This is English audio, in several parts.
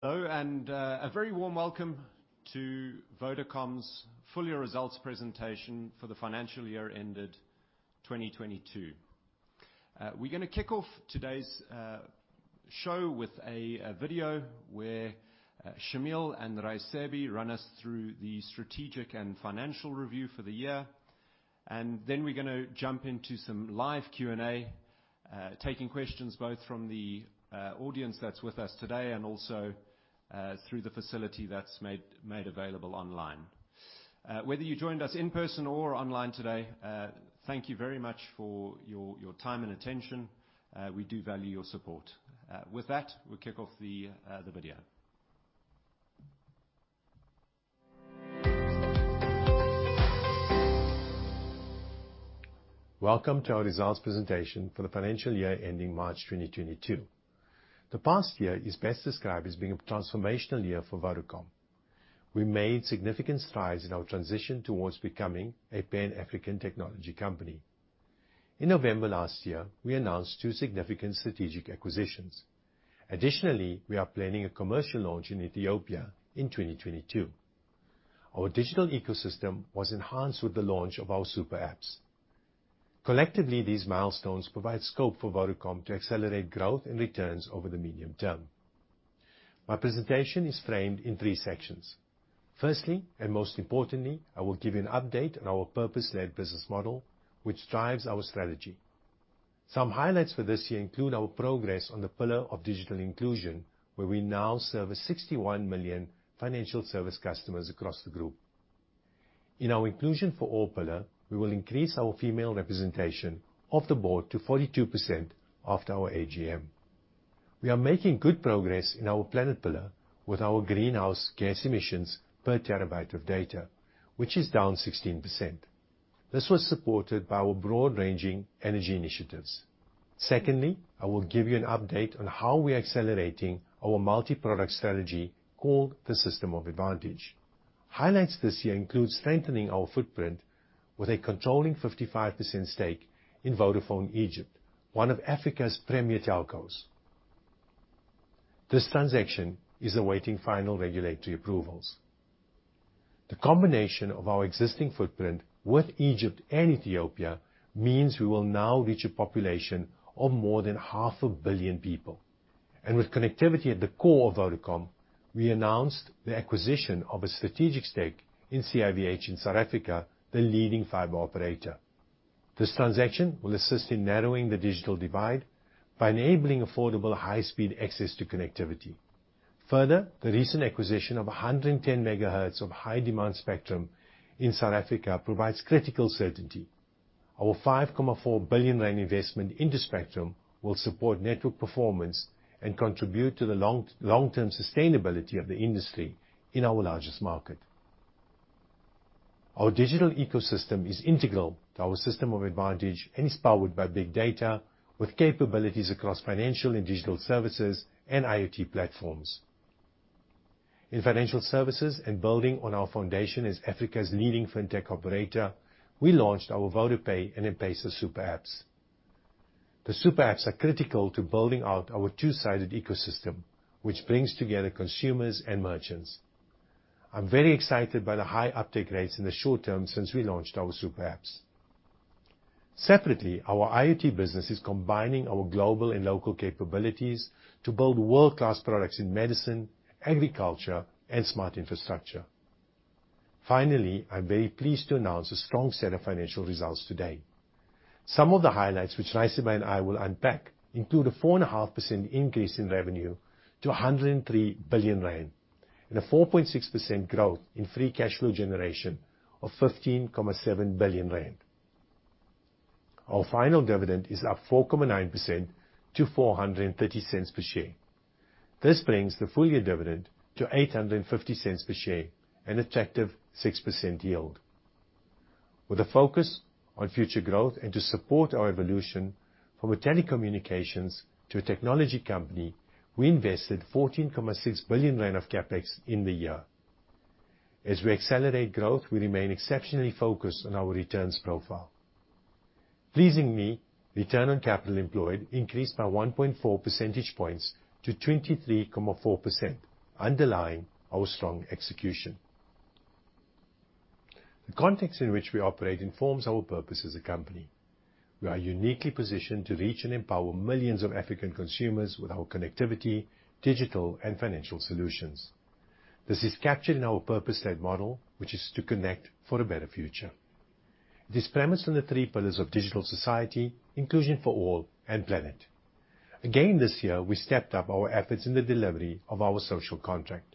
Hello, and a very warm welcome to Vodacom's full year results presentation for the financial year ended 2022. We're gonna kick off today's show with a video where Shameel and Raisibe run us through the strategic and financial review for the year. We're gonna jump into some live Q&A, taking questions both from the audience that's with us today and also through the facility that's made available online. Whether you joined us in person or online today, thank you very much for your time and attention. We do value your support. With that, we'll kick off the video. Welcome to our results presentation for the financial year ending March 2022. The past year is best described as being a transformational year for Vodacom. We made significant strides in our transition towards becoming a pan-African technology company. In November last year, we announced two significant strategic acquisitions. Additionally, we are planning a commercial launch in Ethiopia in 2022. Our digital ecosystem was enhanced with the launch of our super apps. Collectively, these milestones provide scope for Vodacom to accelerate growth and returns over the medium term. My presentation is framed in three sections. Firstly, and most importantly, I will give you an update on our purpose-led business model, which drives our strategy. Some highlights for this year include our progress on the pillar of digital inclusion, where we now service 61 million financial service customers across the group. In our inclusion for all pillar, we will increase our female representation of the board to 42% after our AGM. We are making good progress in our planet pillar with our greenhouse gas emissions per terabyte of data, which is down 16%. This was supported by our broad-ranging energy initiatives. Secondly, I will give you an update on how we are accelerating our multi-product strategy, called the System of Advantage. Highlights this year include strengthening our footprint with a controlling 55% stake in Vodafone Egypt, one of Africa's premier telcos. This transaction is awaiting final regulatory approvals. The combination of our existing footprint with Egypt and Ethiopia means we will now reach a population of more than half a billion people. With connectivity at the core of Vodacom, we announced the acquisition of a strategic stake in CIVH in South Africa, the leading fiber operator. This transaction will assist in narrowing the digital divide by enabling affordable high-speed access to connectivity. Further, the recent acquisition of 110 MHz of high-demand spectrum in South Africa provides critical certainty. Our 5.4 billion rand investment into spectrum will support network performance and contribute to the long-term sustainability of the industry in our largest market. Our digital ecosystem is integral to our System of Advantage and is powered by big data with capabilities across financial and digital services and IoT platforms. In financial services and building on our foundation as Africa's leading fintech operator, we launched our VodaPay and M-PESA super apps. The super apps are critical to building out our two-sided ecosystem, which brings together consumers and merchants. I'm very excited by the high uptake rates in the short term since we launched our super apps. Separately, our IoT business is combining our global and local capabilities to build world-class products in medicine, agriculture, and smart infrastructure. Finally, I'm very pleased to announce a strong set of financial results today. Some of the highlights, which Raisibe and I will unpack, include a 4.5% increase in revenue to 103 billion rand and a 4.6% growth in free cash flow generation of 15.7 billion rand. Our final dividend is up 4.9% to 4.30 per share. This brings the full year dividend to 8.50 per share, an attractive 6% yield. With a focus on future growth and to support our evolution from a telecommunications to a technology company, we invested 14.6 billion rand of CapEx in the year. As we accelerate growth, we remain exceptionally focused on our returns profile. Pleasingly, return on capital employed increased by 1.4 percentage points to 23.4%, underlying our strong execution. The context in which we operate informs our purpose as a company. We are uniquely positioned to reach and empower millions of African consumers with our connectivity, digital, and financial solutions. This is captured in our purpose-led model, which is to connect for a better future. It is premised on the three pillars of digital society, inclusion for all, and planet. Again, this year, we stepped up our efforts in the delivery of our social contract.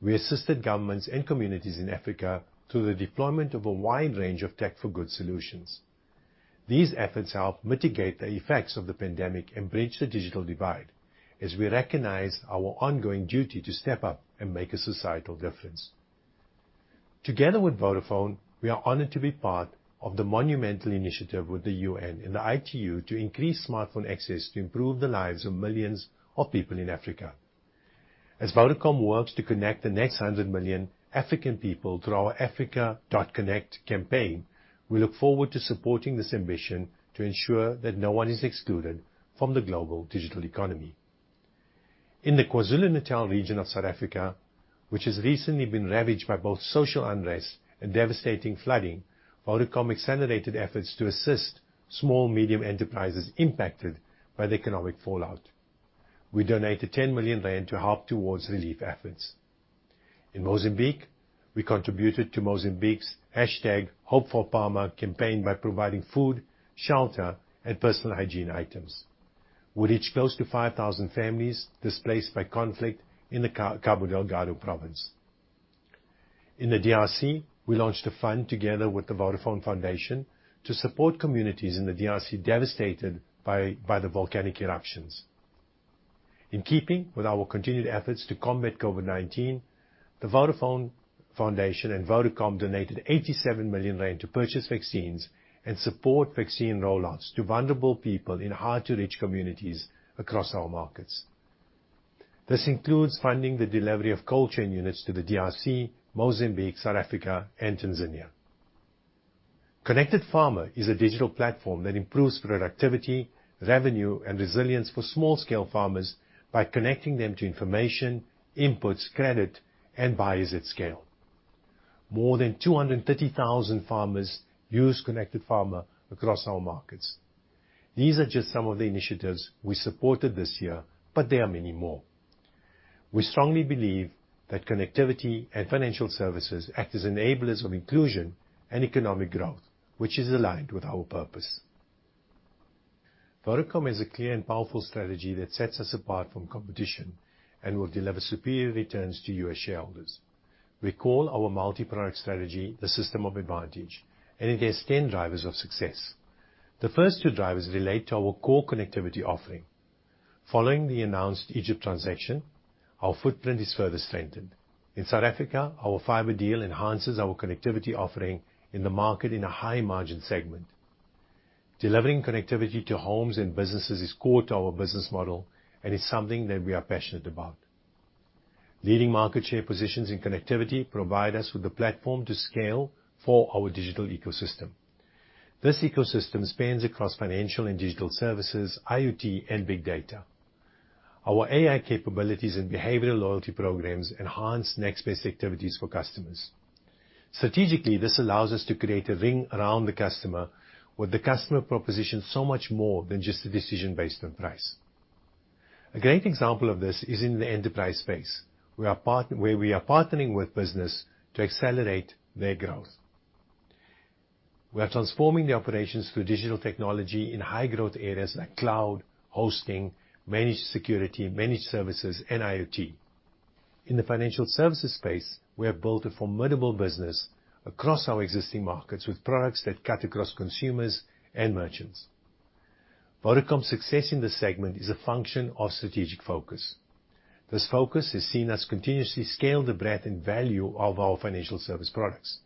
We assisted governments and communities in Africa through the deployment of a wide range of tech for good solutions. These efforts helped mitigate the effects of the pandemic and bridge the digital divide as we recognize our ongoing duty to step up and make a societal difference. Together with Vodafone, we are honored to be part of the monumental initiative with the UN and the ITU to increase smartphone access to improve the lives of millions of people in Africa. As Vodacom works to connect the next 100 million African people through our Africa.connected campaign, we look forward to supporting this ambition to ensure that no one is excluded from the global digital economy. In the KwaZulu-Natal region of South Africa, which has recently been ravaged by both social unrest and devastating flooding, Vodacom accelerated efforts to assist small medium enterprises impacted by the economic fallout. We donated 10 million rand to help towards relief efforts. In Mozambique, we contributed to Mozambique's #HopeForPalma campaign by providing food, shelter, and personal hygiene items. We reached close to 5,000 families displaced by conflict in the Cabo Delgado province. In the DRC, we launched a fund together with the Vodafone Foundation to support communities in the DRC devastated by the volcanic eruptions. In keeping with our continued efforts to combat COVID-19, the Vodafone Foundation and Vodacom donated 87 million rand to purchase vaccines and support vaccine roll-outs to vulnerable people in hard-to-reach communities across our markets. This includes funding the delivery of cold chain units to the DRC, Mozambique, South Africa, and Tanzania. Connected Farmer is a digital platform that improves productivity, revenue, and resilience for small-scale farmers by connecting them to information, inputs, credit, and buyers at scale. More than 230,000 farmers use Connected Farmer across our markets. These are just some of the initiatives we supported this year, but there are many more. We strongly believe that connectivity and financial services act as enablers of inclusion and economic growth, which is aligned with our purpose. Vodacom has a clear and powerful strategy that sets us apart from competition and will deliver superior returns to you as shareholders. We call our multi-product strategy the System of Advantage, and it has ten drivers of success. The first two drivers relate to our core connectivity offering. Following the announced Egypt transaction, our footprint is further strengthened. In South Africa, our fiber deal enhances our connectivity offering in the market in a high margin segment. Delivering connectivity to homes and businesses is core to our business model and is something that we are passionate about. Leading market share positions in connectivity provide us with the platform to scale for our digital ecosystem. This ecosystem spans across financial and digital services, IoT, and big data. Our AI capabilities and behavioral loyalty programs enhance next best activities for customers. Strategically, this allows us to create a ring around the customer, with the customer proposition so much more than just a decision based on price. A great example of this is in the enterprise space. We are partnering with business to accelerate their growth. We are transforming the operations through digital technology in high growth areas like cloud, hosting, managed security, managed services, and IoT. In the financial services space, we have built a formidable business across our existing markets with products that cut across consumers and merchants. Vodacom's success in this segment is a function of strategic focus. This focus has seen us continuously scale the breadth and value of our financial service products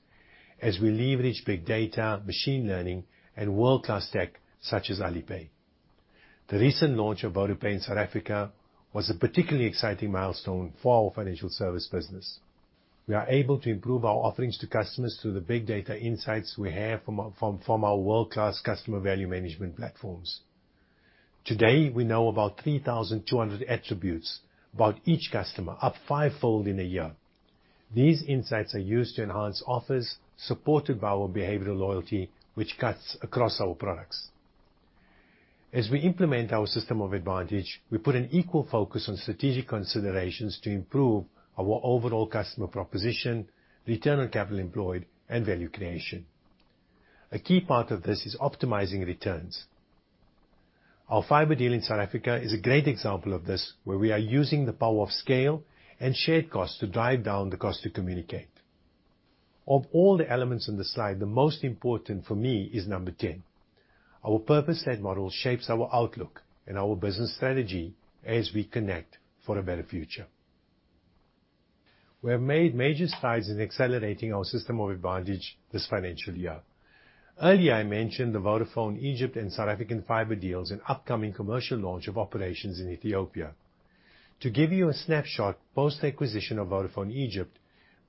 as we leverage big data, machine learning, and world-class tech such as Alipay. The recent launch of VodaPay in South Africa was a particularly exciting milestone for our financial service business. We are able to improve our offerings to customers through the big data insights we have from our world-class customer value management platforms. Today, we know about 3,200 attributes about each customer, up fivefold in a year. These insights are used to enhance offers supported by our behavioral loyalty, which cuts across our products. As we implement our System of Advantage, we put an equal focus on strategic considerations to improve our overall customer proposition, return on capital employed, and value creation. A key part of this is optimizing returns. Our fiber deal in South Africa is a great example of this, where we are using the power of scale and shared costs to drive down the cost to communicate. Of all the elements in the slide, the most important for me is number 10. Our purpose-led model shapes our outlook and our business strategy as we connect for a better future. We have made major strides in accelerating our System of Advantage this financial year. Earlier, I mentioned the Vodafone Egypt and South African fiber deals and upcoming commercial launch of operations in Ethiopia. To give you a snapshot, post the acquisition of Vodafone Egypt,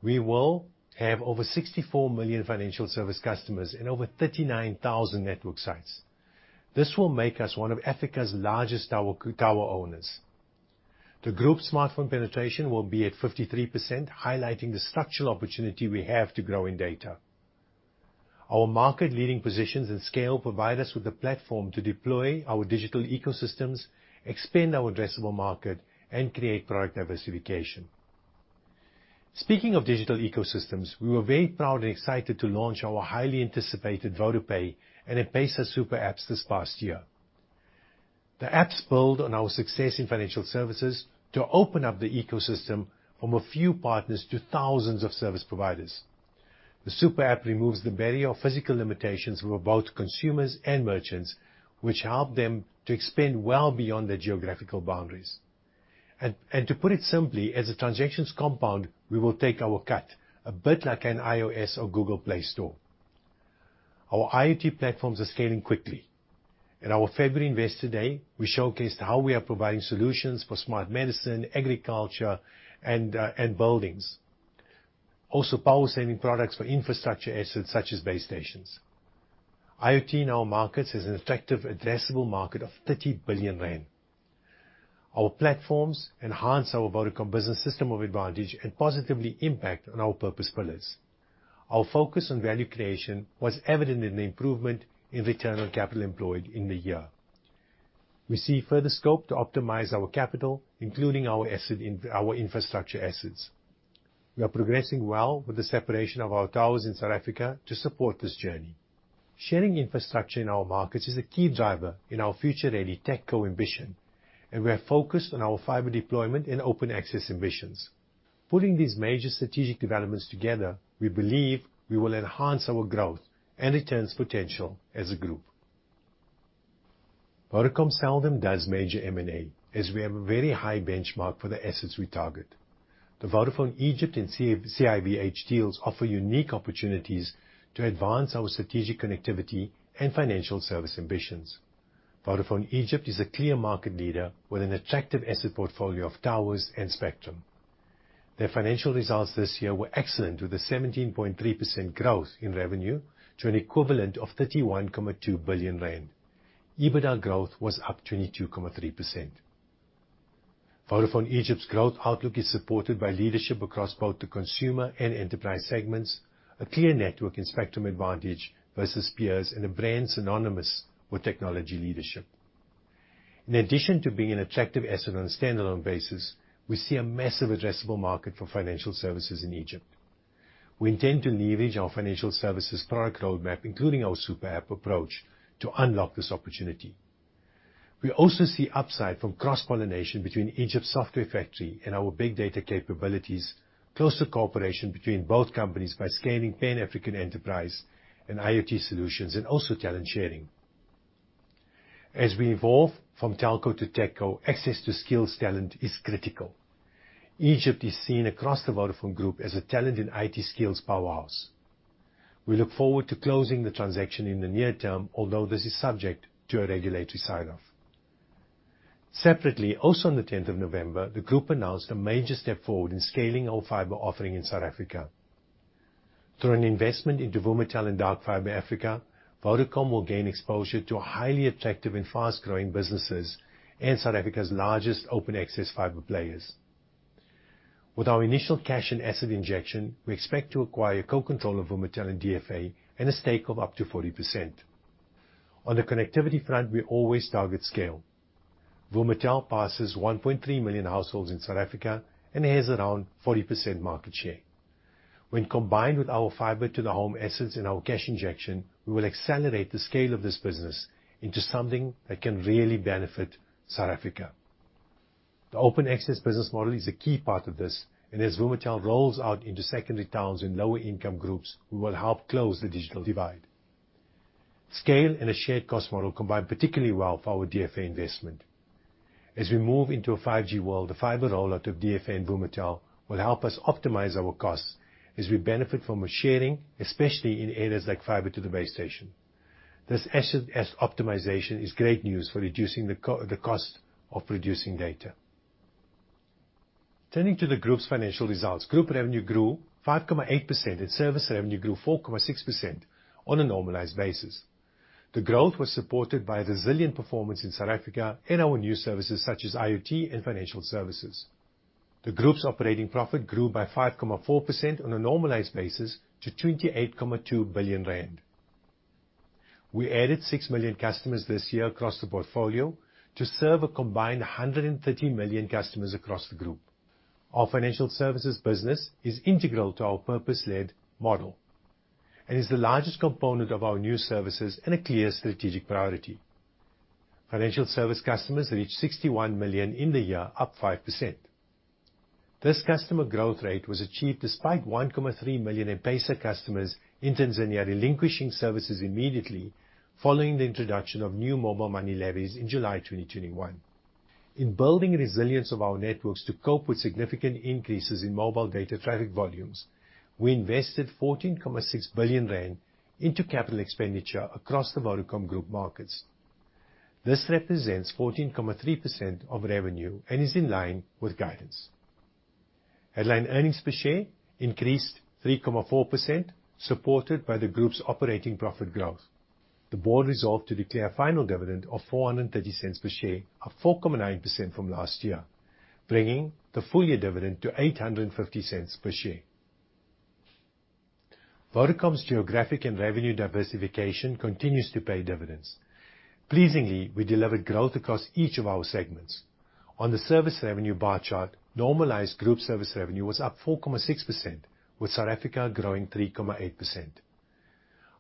we will have over 64 million financial service customers and over 39,000 network sites. This will make us one of Africa's largest tower owners. The group smartphone penetration will be at 53%, highlighting the structural opportunity we have to grow in data. Our market leading positions and scale provide us with the platform to deploy our digital ecosystems, expand our addressable market, and create product diversification. Speaking of digital ecosystems, we were very proud and excited to launch our highly anticipated VodaPay and M-PESA super apps this past year. The apps build on our success in financial services to open up the ecosystem from a few partners to thousands of service providers. The super app removes the barrier of physical limitations from both consumers and merchants, which help them to expand well beyond their geographical boundaries. To put it simply, as the transactions compound, we will take our cut, a bit like an iOS or Google Play store. Our IoT platforms are scaling quickly. At our February Investor Day, we showcased how we are providing solutions for smart medicine, agriculture, and buildings. Also power-saving products for infrastructure assets, such as base stations. IoT in our markets is an effective addressable market of 30 billion rand. Our platforms enhance our Vodacom Business System of Advantage and positively impact on our purpose pillars. Our focus on value creation was evident in the improvement in return on capital employed in the year. We see further scope to optimize our capital, including our infrastructure assets. We are progressing well with the separation of our towers in South Africa to support this journey. Sharing infrastructure in our markets is a key driver in our future-ready TechCo ambition, and we are focused on our fiber deployment and open access ambitions. Putting these major strategic developments together, we believe we will enhance our growth and returns potential as a group. Vodacom seldom does major M&A, as we have a very high benchmark for the assets we target. The Vodafone Egypt and CIVH deals offer unique opportunities to advance our strategic connectivity and financial service ambitions. Vodafone Egypt is a clear market leader with an attractive asset portfolio of towers and spectrum. Their financial results this year were excellent, with a 17.3% growth in revenue to an equivalent of 31.2 billion rand. EBITDA growth was up 22.3%. Vodafone Egypt's growth outlook is supported by leadership across both the consumer and enterprise segments, a clear network and spectrum advantage versus peers, and a brand synonymous with technology leadership. In addition to being an attractive asset on a stand-alone basis, we see a massive addressable market for financial services in Egypt. We intend to leverage our financial services product roadmap, including our super app approach, to unlock this opportunity. We also see upside from cross-pollination between Vodafone Egypt Software Factory and our big data capabilities, closer cooperation between both companies by scaling Pan-African enterprise and IoT solutions, and also talent sharing. As we evolve from Telco to TechCo, access to skills talent is critical. Egypt is seen across the Vodafone Group as a talent and IT skills powerhouse. We look forward to closing the transaction in the near term, although this is subject to a regulatory sign-off. Separately, also on the tenth of November, the group announced a major step forward in scaling our fiber offering in South Africa. Through an investment into Vumatel and Dark Fibre Africa, Vodacom will gain exposure to highly attractive and fast-growing businesses and South Africa's largest open access fiber players. With our initial cash and asset injection, we expect to acquire co-control of Vumatel and DFA and a stake of up to 40%. On the connectivity front, we always target scale. Vumatel passes 1.3 million households in South Africa and has around 40% market share. When combined with our fiber to the home assets and our cash injection, we will accelerate the scale of this business into something that can really benefit South Africa. The open access business model is a key part of this, and as Vumatel rolls out into secondary towns and lower income groups, we will help close the digital divide. Scale and a shared cost model combine particularly well for our DFA investment. As we move into a 5G world, the fiber rollout of DFA and Vumatel will help us optimize our costs as we benefit from a sharing, especially in areas like fiber to the base station. This asset optimization is great news for reducing the cost of producing data. Turning to the group's financial results. Group revenue grew 5.8%, and service revenue grew 4.6% on a normalized basis. The growth was supported by a resilient performance in South Africa and our new services such as IoT and financial services. The group's operating profit grew by 5.4% on a normalized basis to 28.2 billion rand. We added 6 million customers this year across the portfolio to serve a combined 130 million customers across the Group. Our financial services business is integral to our purpose-led model and is the largest component of our new services and a clear strategic priority. Financial service customers reached 61 million in the year, up 5%. This customer growth rate was achieved despite 1.3 million M-PESA customers in Tanzania relinquishing services immediately following the introduction of new mobile money levies in July 2021. In building the resilience of our networks to cope with significant increases in mobile data traffic volumes, we invested 14.6 billion rand into capital expenditure across the Vodacom Group markets. This represents 14.3% of revenue and is in line with guidance. Headline earnings per share increased 3.4%, supported by the group's operating profit growth. The board resolved to declare final dividend of 4.30 per share, up 4.9% from last year, bringing the full-year dividend to 8.50 per share. Vodacom's geographic and revenue diversification continues to pay dividends. Pleasingly, we delivered growth across each of our segments. On the service revenue bar chart, normalized group service revenue was up 4.6%, with South Africa growing 3.8%.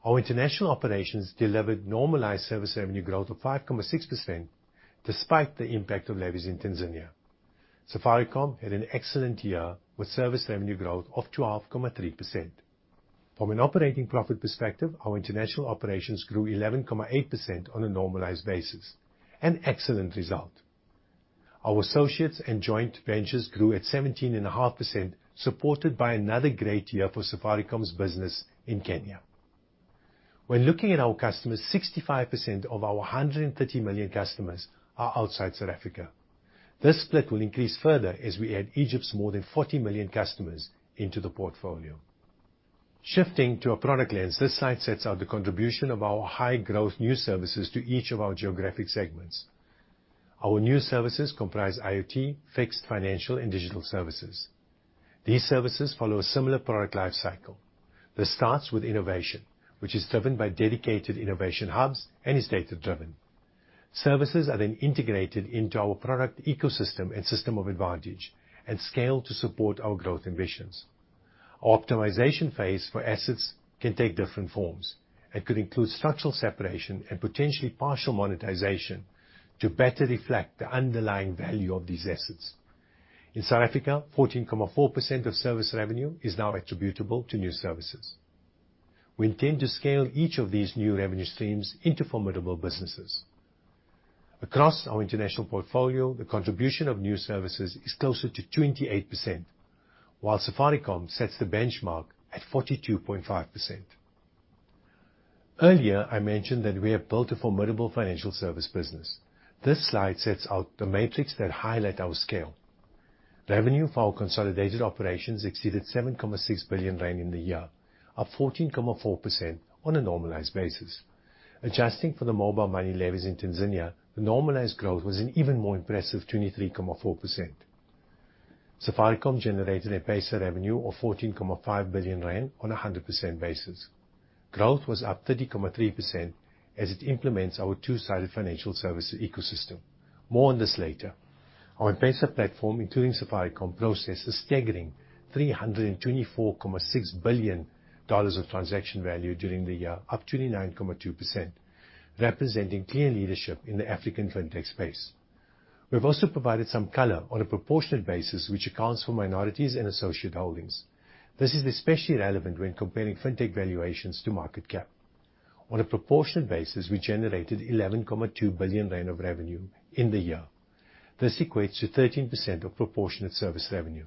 Our international operations delivered normalized service revenue growth of 5.6% despite the impact of levies in Tanzania. Safaricom had an excellent year with service revenue growth of 12.3%. From an operating profit perspective, our international operations grew 11.8% on a normalized basis, an excellent result. Our associates and joint ventures grew at 17.5%, supported by another great year for Safaricom's business in Kenya. When looking at our customers, 65% of our 150 million customers are outside South Africa. This split will increase further as we add Egypt's more than 40 million customers into the portfolio. Shifting to a product lens, this slide sets out the contribution of our high-growth new services to each of our geographic segments. Our new services comprise IoT, fixed financial and digital services. These services follow a similar product life cycle. This starts with innovation, which is driven by dedicated innovation hubs and is data-driven. Services are then integrated into our product ecosystem and System of Advantage and scaled to support our growth ambitions. Our optimization phase for assets can take different forms, and could include structural separation and potentially partial monetization to better reflect the underlying value of these assets. In South Africa, 14.4% of service revenue is now attributable to new services. We intend to scale each of these new revenue streams into formidable businesses. Across our international portfolio, the contribution of new services is closer to 28%, while Safaricom sets the benchmark at 42.5%. Earlier, I mentioned that we have built a formidable financial service business. This slide sets out the metrics that highlight our scale. Revenue for our consolidated operations exceeded 7.6 billion rand in the year, up 14.4% on a normalized basis. Adjusting for the mobile money levies in Tanzania, the normalized growth was an even more impressive 23.4%. Safaricom generated a pay-as-you-Go revenue of 14.5 billion rand on a 100% basis. Growth was up 33% as it implements our two-sided financial services ecosystem. More on this later. Our M-PESA platform, including Safaricom, processed a staggering $324.6 billion of transaction value during the year, up 29.2%, representing clear leadership in the African Fintech space. We've also provided some color on a proportionate basis, which accounts for minorities and associate holdings. This is especially relevant when comparing Fintech valuations to market cap. On a proportionate basis, we generated 11.2 billion rand of revenue in the year. This equates to 13% of proportionate service revenue.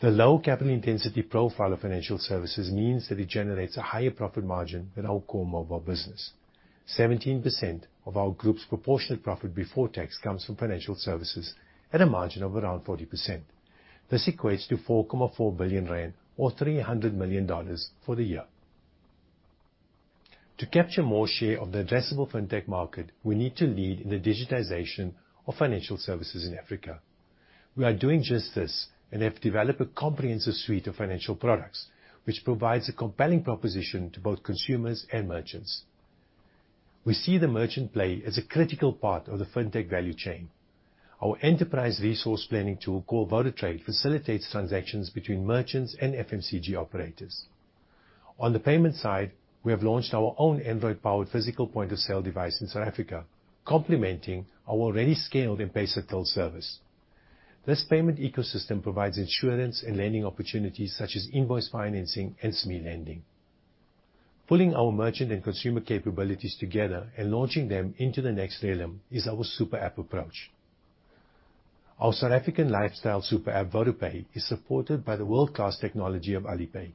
The low capital intensity profile of financial services means that it generates a higher profit margin than our core mobile business. 17% of our group's proportionate profit before tax comes from financial services at a margin of around 40%. This equates to 4.4 billion rand, or $300 million for the year. To capture more share of the addressable Fintech market, we need to lead in the digitization of financial services in Africa. We are doing just this, and have developed a comprehensive suite of financial products, which provides a compelling proposition to both consumers and merchants. We see the merchant play as a critical part of the Fintech value chain. Our enterprise resource planning tool, called VodaTrade, facilitates transactions between merchants and FMCG operators. On the payment side, we have launched our own Android-powered physical point-of-sale device in South Africa, complementing our already scaled M-PESA till service. This payment ecosystem provides insurance and lending opportunities, such as invoice financing and SME lending. Pulling our merchant and consumer capabilities together and launching them into the next realm is our super app approach. Our South African lifestyle super app, VodaPay, is supported by the world-class technology of Alipay.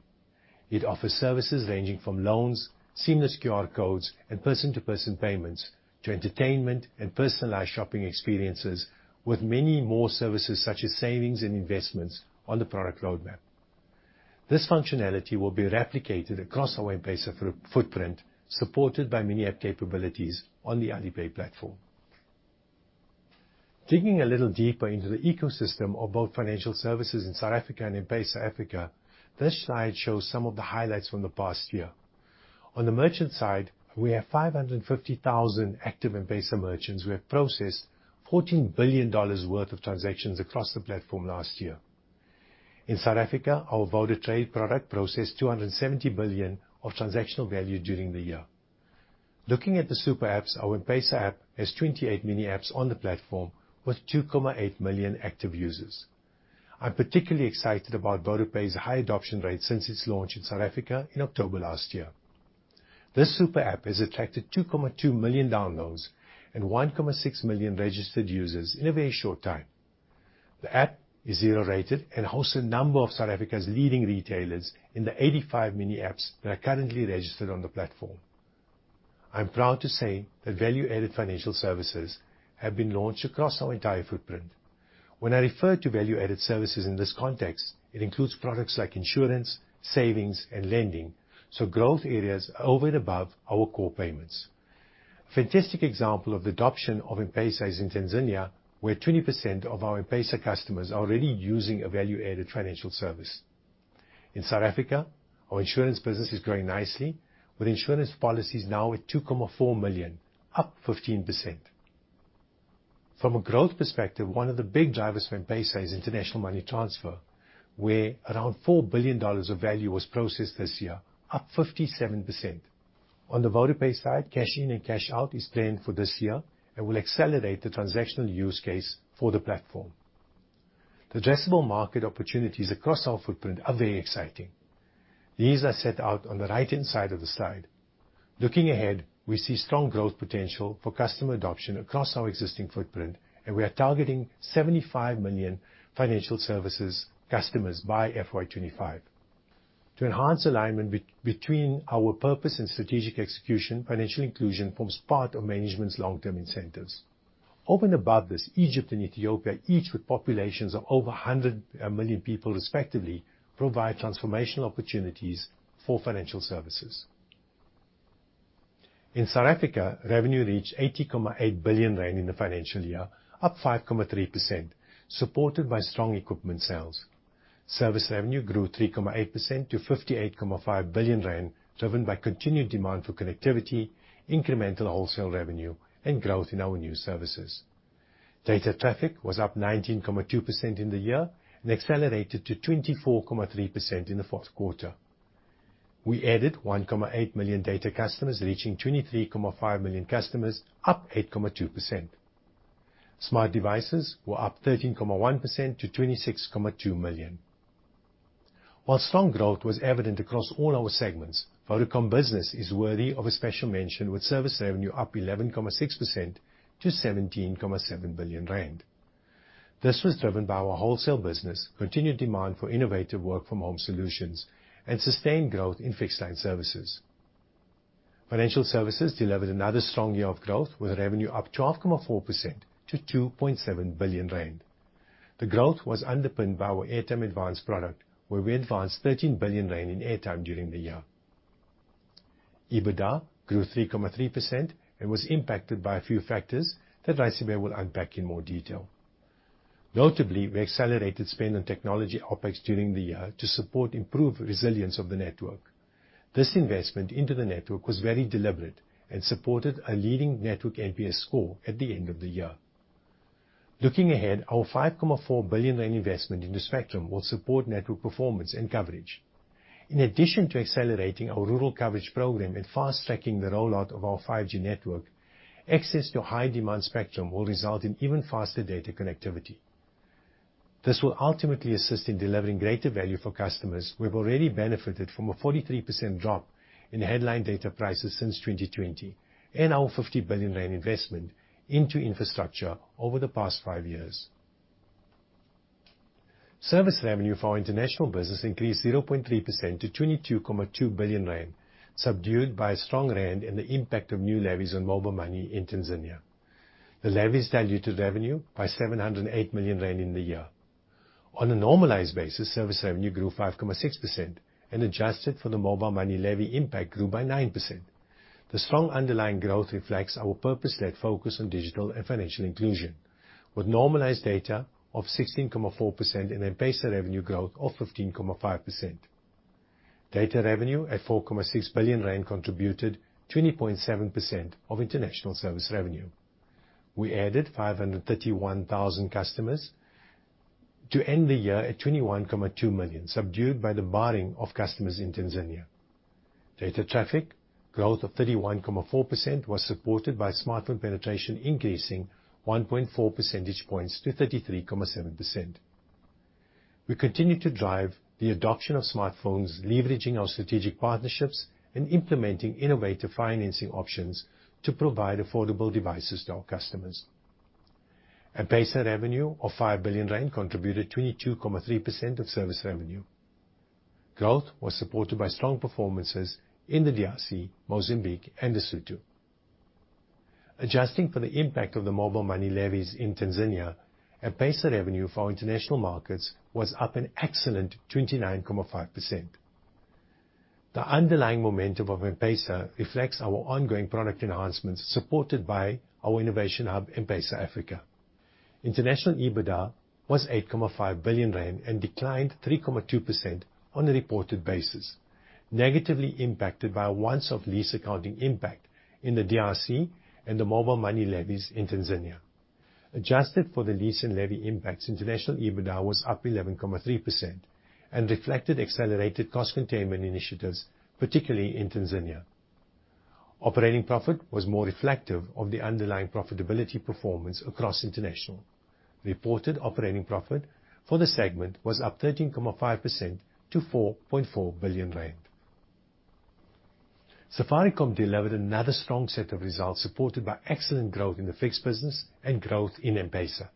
It offers services ranging from loans, seamless QR codes, and person-to-person payments to entertainment and personalized shopping experiences, with many more services such as savings and investments on the product roadmap. This functionality will be replicated across our M-PESA footprint, supported by mini app capabilities on the Alipay platform. Digging a little deeper into the ecosystem of both financial services in South Africa and M-PESA Africa, this slide shows some of the highlights from the past year. On the merchant side, we have 550,000 active M-PESA merchants who have processed $14 billion worth of transactions across the platform last year. In South Africa, our VodaTrade product processed 270 billion of transactional value during the year. Looking at the super apps, our M-PESA app has 28 mini apps on the platform with 2.8 million active users. I'm particularly excited about VodaPay's high adoption rate since its launch in South Africa in October last year. This super app has attracted 2.2 million downloads and 1.6 million registered users in a very short time. The app is zero-rated and hosts a number of South Africa's leading retailers in the 85 mini apps that are currently registered on the platform. I'm proud to say that value-added financial services have been launched across our entire footprint. When I refer to value-added services in this context, it includes products like insurance, savings, and lending, so growth areas over and above our core payments. Fantastic example of the adoption of M-PESA is in Tanzania, where 20% of our M-PESA customers are already using a value-added financial service. In South Africa, our insurance business is growing nicely, with insurance policies now at 2.4 million, up 15%. From a growth perspective, one of the big drivers for M-PESA is international money transfer, where around $4 billion of value was processed this year, up 57%. On the VodaPay side, cash in and cash out is planned for this year and will accelerate the transactional use case for the platform. The addressable market opportunities across our footprint are very exciting. These are set out on the right-hand side of the slide. Looking ahead, we see strong growth potential for customer adoption across our existing footprint, and we are targeting 75 million financial services customers by FY25. To enhance alignment between our purpose and strategic execution, financial inclusion forms part of management's long-term incentives. Over and above this, Egypt and Ethiopia, each with populations of over 100 million people respectively, provide transformational opportunities for financial services. In South Africa, revenue reached 80.8 billion rand in the financial year, up 5.3%, supported by strong equipment sales. Service revenue grew 3.8% to 58.5 billion rand, driven by continued demand for connectivity, incremental wholesale revenue, and growth in our new services. Data traffic was up 19.2% in the year and accelerated to 24.3% in the fourth quarter. We added 1.8 million data customers, reaching 23.5 million customers, up 8.2%. Smart devices were up 13.1% to 26.2 million. While strong growth was evident across all our segments, Vodacom Business is worthy of a special mention, with service revenue up 11.6% to 17.7 billion rand. This was driven by our wholesale business, continued demand for innovative work from home solutions, and sustained growth in fixed line services. Financial services delivered another strong year of growth, with revenue up 12.4% to 2.7 billion rand. The growth was underpinned by our airtime advance product, where we advanced 13 billion rand in airtime during the year. EBITDA grew 3.3% and was impacted by a few factors that Raisibe Morathi will unpack in more detail. Notably, we accelerated spend on technology OpEx during the year to support improved resilience of the network. This investment into the network was very deliberate and supported a leading network NPS score at the end of the year. Looking ahead, our 5.4 billion rand investment into spectrum will support network performance and coverage. In addition to accelerating our rural coverage program and fast-tracking the rollout of our 5G network, access to high-demand spectrum will result in even faster data connectivity. This will ultimately assist in delivering greater value for customers who have already benefited from a 43% drop in headline data prices since 2020, and our 50 billion rand investment into infrastructure over the past five years. Service revenue for our international business increased 0.3% to 22.2 billion rand, subdued by a strong rand and the impact of new levies on mobile money in Tanzania. The levies diluted revenue by 708 million rand in the year. On a normalized basis, service revenue grew 5.6%, and adjusted for the mobile money levy impact, grew by 9%. The strong underlying growth reflects our purpose-led focus on digital and financial inclusion, with normalized data of 16.4% and M-PESA revenue growth of 15.5%. Data revenue, at 4.6 billion rand, contributed 20.7% of international service revenue. We added 531,000 customers to end the year at 21.2 million, subdued by the barring of customers in Tanzania. Data traffic growth of 31.4% was supported by smartphone penetration increasing 1.4 percentage points to 33.7%. We continue to drive the adoption of smartphones, leveraging our strategic partnerships and implementing innovative financing options to provide affordable devices to our customers. M-PESA revenue of 5 billion rand contributed 22.3% of service revenue. Growth was supported by strong performances in the DRC, Mozambique, and Lesotho. Adjusting for the impact of the mobile money levies in Tanzania, M-PESA revenue for our international markets was up an excellent 29.5%. The underlying momentum of M-PESA reflects our ongoing product enhancements, supported by our innovation hub, M-PESA Africa. International EBITDA was 8.5 billion rand and declined 3.2% on a reported basis, negatively impacted by a once-off lease accounting impact in the DRC and the mobile money levies in Tanzania. Adjusted for the lease and levy impacts, international EBITDA was up 11.3% and reflected accelerated cost containment initiatives, particularly in Tanzania. Operating profit was more reflective of the underlying profitability performance across international. Reported operating profit for the segment was up 13.5% to 4.4 billion rand. Safaricom delivered another strong set of results, supported by excellent growth in the fixed business and growth in M-PESA.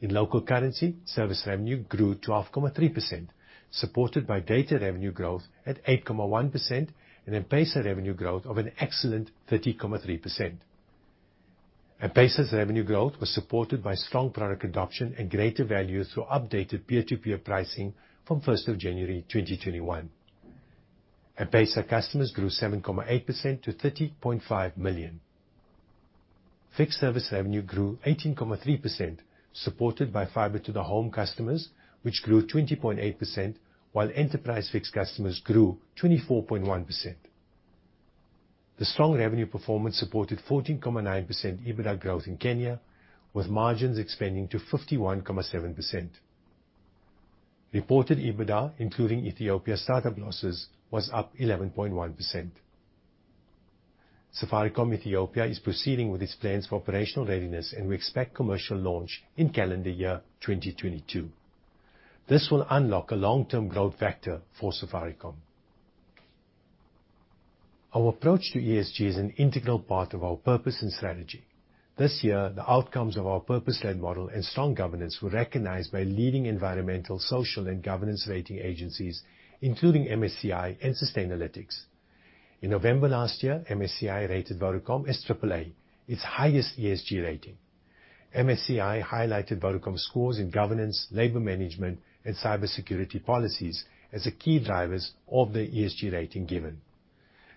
In local currency, service revenue grew 12.3%, supported by data revenue growth at 8.1% and M-PESA revenue growth of an excellent 30.3%. M-PESA's revenue growth was supported by strong product adoption and greater value through updated peer-to-peer pricing from January 1, 2021. M-PESA customers grew 7.8% to 30.5 million. Fixed service revenue grew 18.3%, supported by fiber to the home customers, which grew 20.8%, while enterprise fixed customers grew 24.1%. The strong revenue performance supported 14.9% EBITDA growth in Kenya, with margins expanding to 51.7%. Reported EBITDA, including Ethiopia startup losses, was up 11.1%. Safaricom Ethiopia is proceeding with its plans for operational readiness, and we expect commercial launch in calendar year 2022. This will unlock a long-term growth factor for Safaricom. Our approach to ESG is an integral part of our purpose and strategy. This year, the outcomes of our purpose-led model and strong governance were recognized by leading environmental, social, and governance rating agencies, including MSCI and Sustainalytics. In November last year, MSCI rated Vodacom as AAA, its highest ESG rating. MSCI highlighted Vodacom scores in governance, labor management, and cybersecurity policies as the key drivers of the ESG rating given.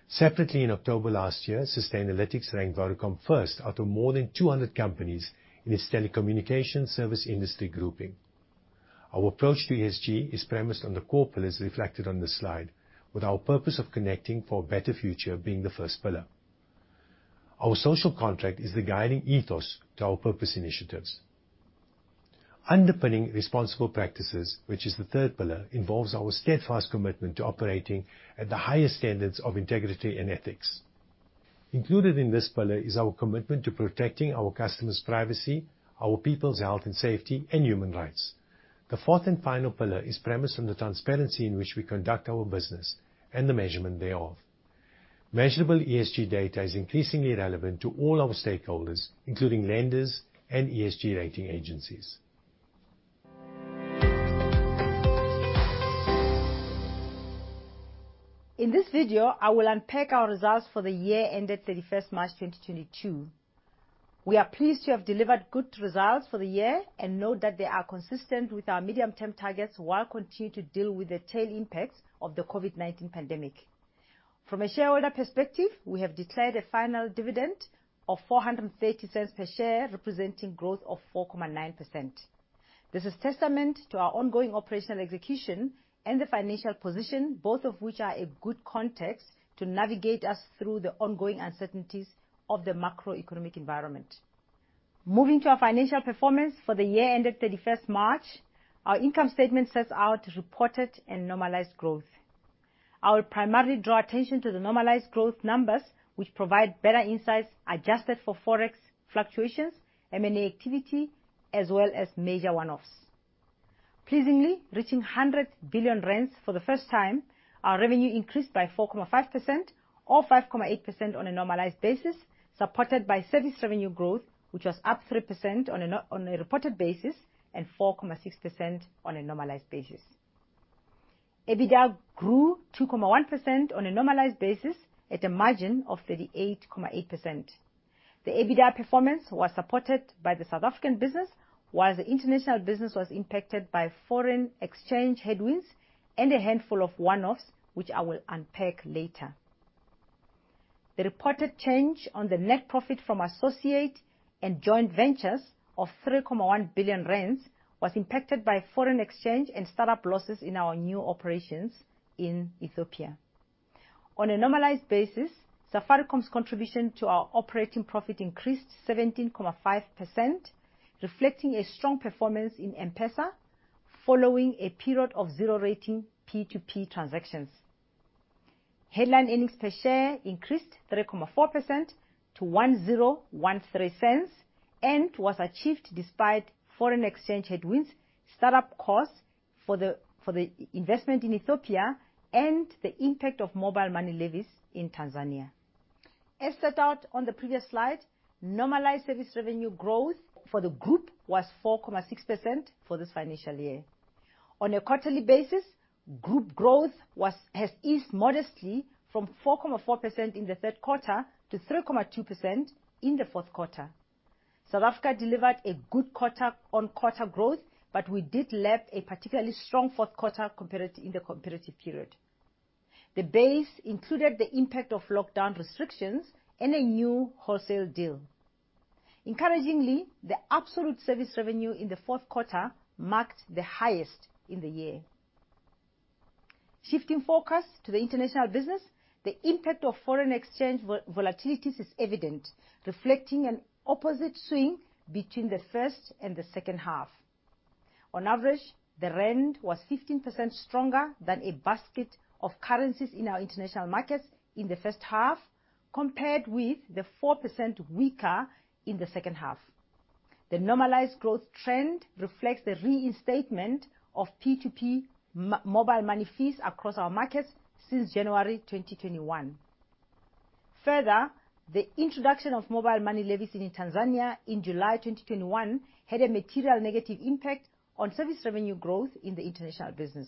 Separately in October last year, Sustainalytics ranked Vodacom first out of more than 200 companies in its telecommunication service industry grouping. Our approach to ESG is premised on the core pillars reflected on this slide, with our purpose of connecting for a better future being the first pillar. Our social contract is the guiding ethos to our purpose initiatives. Underpinning responsible practices, which is the third pillar, involves our steadfast commitment to operating at the highest standards of integrity and ethics. Included in this pillar is our commitment to protecting our customers' privacy, our people's health and safety, and human rights. The fourth and final pillar is premised on the transparency in which we conduct our business and the measurement thereof. Measurable ESG data is increasingly relevant to all our stakeholders, including lenders and ESG rating agencies. In this video, I will unpack our results for the year ended 31 March 2022. We are pleased to have delivered good results for the year and know that they are consistent with our medium-term targets while continuing to deal with the tail impacts of the COVID-19 pandemic. From a shareholder perspective, we have declared a final dividend of 4.30 per share, representing growth of 4.9%. This is testament to our ongoing operational execution and the financial position, both of which are a good context to navigate us through the ongoing uncertainties of the macroeconomic environment. Moving to our financial performance for the year ended 31 March, our income statement sets out reported and normalized growth. I will primarily draw attention to the normalized growth numbers, which provide better insights adjusted for Forex fluctuations, M&A activity, as well as major one-offs. Pleasingly, reaching 100 billion rand for the first time, our revenue increased by 4.5% or 5.8% on a normalized basis, supported by service revenue growth, which was up 3% on a reported basis and 4.6% on a normalized basis. EBITDA grew 2.1% on a normalized basis at a margin of 38.8%. The EBITDA performance was supported by the South African business, whereas the international business was impacted by foreign exchange headwinds and a handful of one-offs, which I will unpack later. The reported change on the net profit from associate and joint ventures of 3.1 billion rand was impacted by foreign exchange and start-up losses in our new operations in Ethiopia. On a normalized basis, Safaricom's contribution to our operating profit increased 17.5%, reflecting a strong performance in M-PESA following a period of zero-rating P2P transactions. Headline earnings per share increased 3.4% to 10.13 and was achieved despite foreign exchange headwinds, start-up costs for the investment in Ethiopia, and the impact of mobile money levies in Tanzania. As set out on the previous slide, normalized service revenue growth for the group was 4.6% for this financial year. On a quarterly basis, group growth has eased modestly from 4.4% in the third quarter to 3.2% in the fourth quarter. South Africa delivered a good quarter-on-quarter growth, but we did lap a particularly strong fourth quarter comparative in the comparative period. The base included the impact of lockdown restrictions and a new wholesale deal. Encouragingly, the absolute service revenue in the fourth quarter marked the highest in the year. Shifting focus to the international business, the impact of foreign exchange volatilities is evident, reflecting an opposite swing between the first and the second half. On average, the rand was 15% stronger than a basket of currencies in our international markets in the first half, compared with the 4% weaker in the second half. The normalized growth trend reflects the reinstatement of P2P mobile money fees across our markets since January 2021. Further, the introduction of mobile money levies in Tanzania in July 2021 had a material negative impact on service revenue growth in the international business.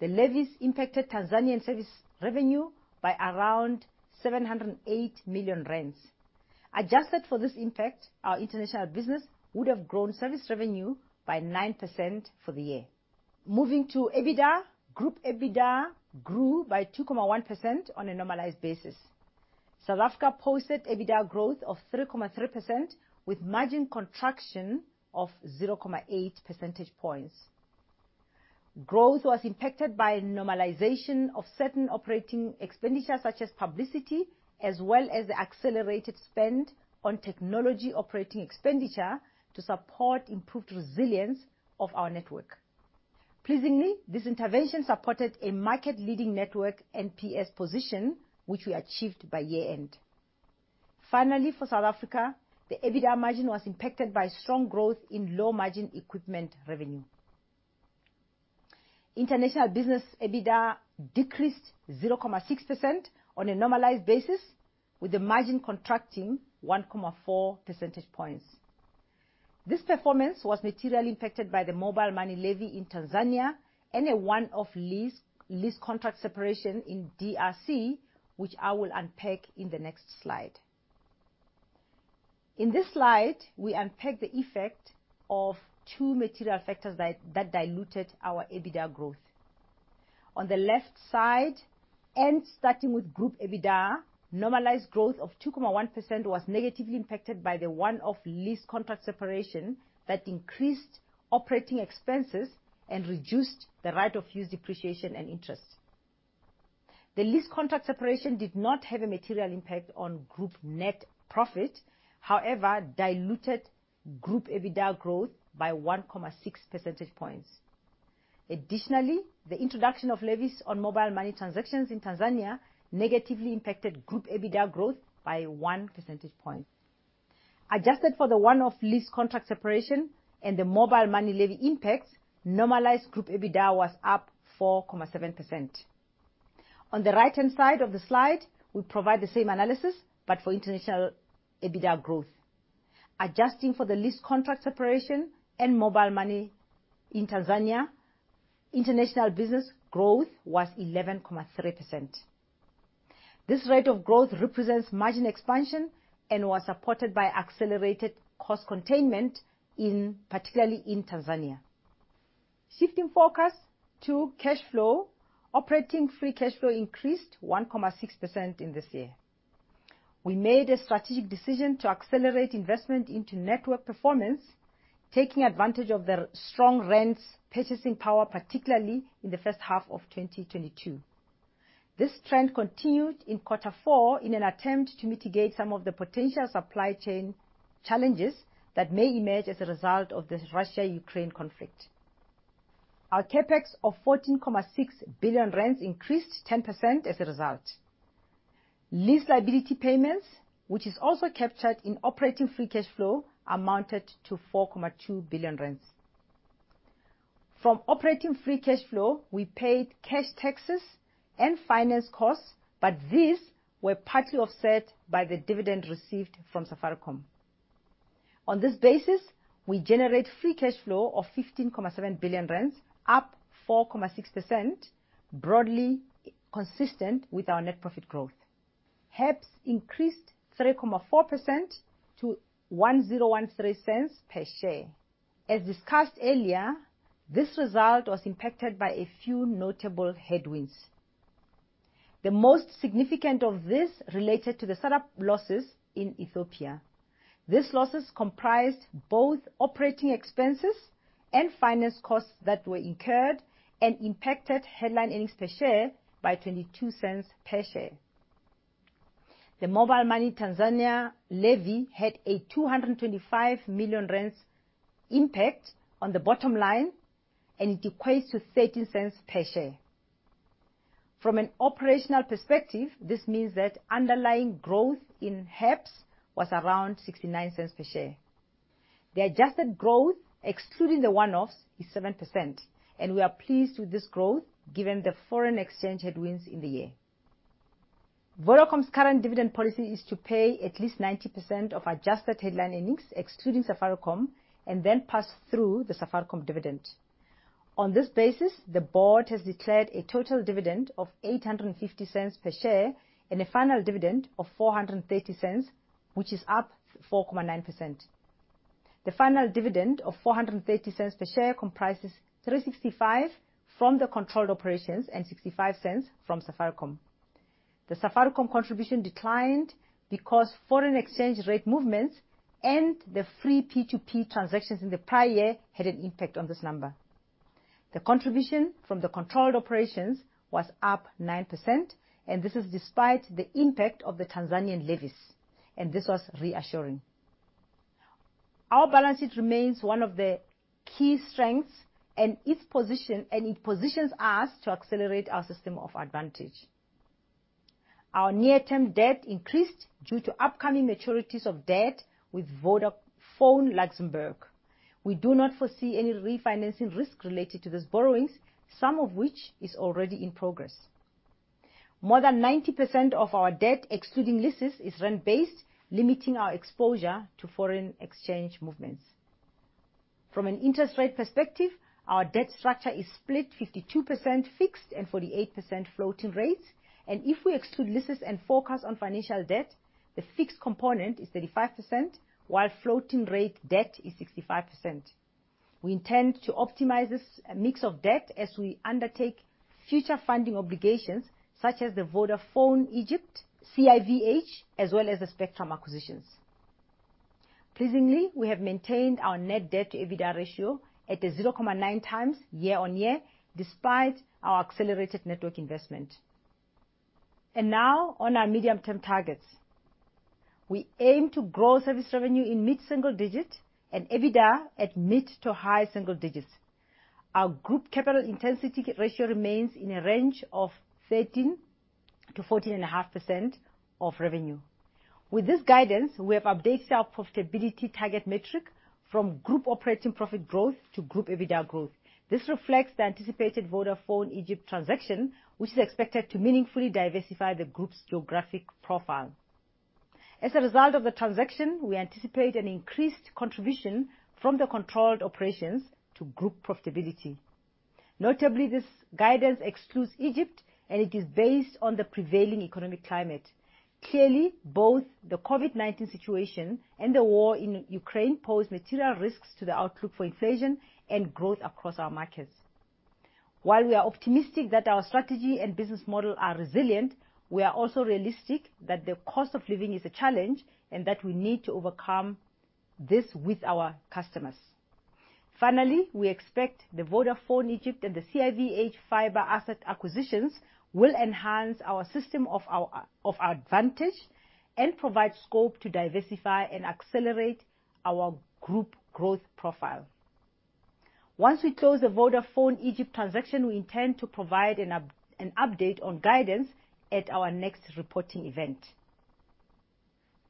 The levies impacted Tanzanian service revenue by around 708 million rand. Adjusted for this impact, our international business would have grown service revenue by 9% for the year. Moving to EBITDA, group EBITDA grew by 2.1% on a normalized basis. South Africa posted EBITDA growth of 3.3% with margin contraction of 0.8 percentage points. Growth was impacted by normalization of certain operating expenditures such as publicity, as well as the accelerated spend on technology operating expenditure to support improved resilience of our network. Pleasingly, this intervention supported a market-leading network NPS position, which we achieved by year-end. Finally, for South Africa, the EBITDA margin was impacted by strong growth in low-margin equipment revenue. International Business EBITDA decreased 0.6% on a normalized basis, with the margin contracting 1.4 percentage points. This performance was materially impacted by the mobile money levy in Tanzania and a one-off lease contract separation in DRC, which I will unpack in the next slide. In this slide, we unpack the effect of two material factors that diluted our EBITDA growth. On the left side, and starting with group EBITDA, normalized growth of 2.1% was negatively impacted by the one-off lease contract separation that increased operating expenses and reduced the right of use depreciation and interest. The lease contract separation did not have a material impact on group net profit, however, diluted group EBITDA growth by 1.6 percentage points. Additionally, the introduction of levies on mobile money transactions in Tanzania negatively impacted group EBITDA growth by 1 percentage point. Adjusted for the one-off lease contract separation and the mobile money levy impacts, normalized group EBITDA was up 4.7%. On the right-hand side of the slide, we provide the same analysis, but for international EBITDA growth. Adjusting for the lease contract separation and mobile money in Tanzania, international business growth was 11.3%. This rate of growth represents margin expansion and was supported by accelerated cost containment, particularly in Tanzania. Shifting focus to cash flow, operating free cash flow increased 1.6% in this year. We made a strategic decision to accelerate investment into network performance, taking advantage of the strong rand's purchasing power, particularly in the first half of 2022. This trend continued in quarter four in an attempt to mitigate some of the potential supply chain challenges that may emerge as a result of this Russia-Ukraine conflict. Our CapEx of 14.6 billion rand increased 10% as a result. Lease liability payments, which is also captured in operating free cash flow, amounted to 4.2 billion rand. From operating free cash flow, we paid cash taxes and finance costs, but these were partly offset by the dividend received from Safaricom. On this basis, we generate free cash flow of 15.7 billion rand, up 4.6%, broadly consistent with our net profit growth. HEPS increased 3.4% to 1,013 cents per share. As discussed earlier, this result was impacted by a few notable headwinds. The most significant of this related to the set up losses in Ethiopia. These losses comprised both operating expenses and finance costs that were incurred and impacted headline earnings per share by 22 cents per share. The mobile money Tanzania levy had a 225 million rand impact on the bottom line, and it equates to 0.13 per share. From an operational perspective, this means that underlying growth in HEPS was around 0.69 per share. The adjusted growth, excluding the one-offs, is 7%, and we are pleased with this growth given the foreign exchange headwinds in the year. Vodacom's current dividend policy is to pay at least 90% of adjusted headline earnings, excluding Safaricom, and then pass through the Safaricom dividend. On this basis, the board has declared a total dividend of 8.50 per share and a final dividend of 4.30, which is up 4.9%. The final dividend of 4.30 per share comprises 3.65 from the controlled operations and 0.65 from Safaricom. The Safaricom contribution declined because foreign exchange rate movements and the free P2P transactions in the prior year had an impact on this number. The contribution from the controlled operations was up 9%, and this is despite the impact of the Tanzanian levies, and this was reassuring. Our balance sheet remains one of the key strengths and its position, and it positions us to accelerate our System of Advantage. Our near-term debt increased due to upcoming maturities of debt with Vodafone Luxembourg. We do not foresee any refinancing risk related to these borrowings, some of which is already in progress. More than 90% of our debt, excluding leases, is rand-based, limiting our exposure to foreign exchange movements. From an interest rate perspective, our debt structure is split 52% fixed and 48% floating rates. If we exclude leases and focus on financial debt, the fixed component is 35%, while floating rate debt is 65%. We intend to optimize this mix of debt as we undertake future funding obligations, such as the Vodafone Egypt, CIVH, as well as the spectrum acquisitions. Pleasingly, we have maintained our net debt to EBITDA ratio at a 0.9 times year-on-year, despite our accelerated network investment. Now on our medium-term targets. We aim to grow service revenue in mid-single-digit and EBITDA at mid- to high-single-digits. Our group capital intensity ratio remains in a range of 13%-14.5% of revenue. With this guidance, we have updated our profitability target metric from group operating profit growth to group EBITDA growth. This reflects the anticipated Vodafone Egypt transaction, which is expected to meaningfully diversify the group's geographic profile. As a result of the transaction, we anticipate an increased contribution from the controlled operations to group profitability. Notably, this guidance excludes Egypt, and it is based on the prevailing economic climate. Clearly, both the COVID-19 situation and the war in Ukraine pose material risks to the outlook for inflation and growth across our markets. While we are optimistic that our strategy and business model are resilient, we are also realistic that the cost of living is a challenge and that we need to overcome this with our customers. Finally, we expect the Vodafone Egypt and the CIVH fiber asset acquisitions will enhance our System of Advantage and provide scope to diversify and accelerate our group growth profile. Once we close the Vodafone Egypt transaction, we intend to provide an update on guidance at our next reporting event.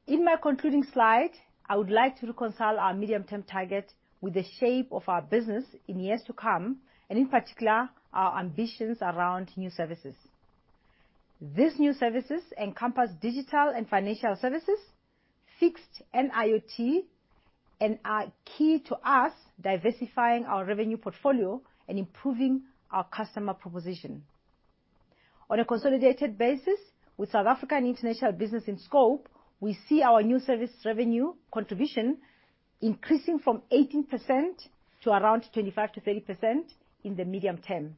In my concluding slide, I would like to reconcile our medium-term target with the shape of our business in years to come, and in particular, our ambitions around new services. These new services encompass digital and financial services, fixed and IoT, and are key to us diversifying our revenue portfolio and improving our customer proposition. On a consolidated basis, with South Africa and international business in scope, we see our new service revenue contribution increasing from 18% to around 25%-30% in the medium term.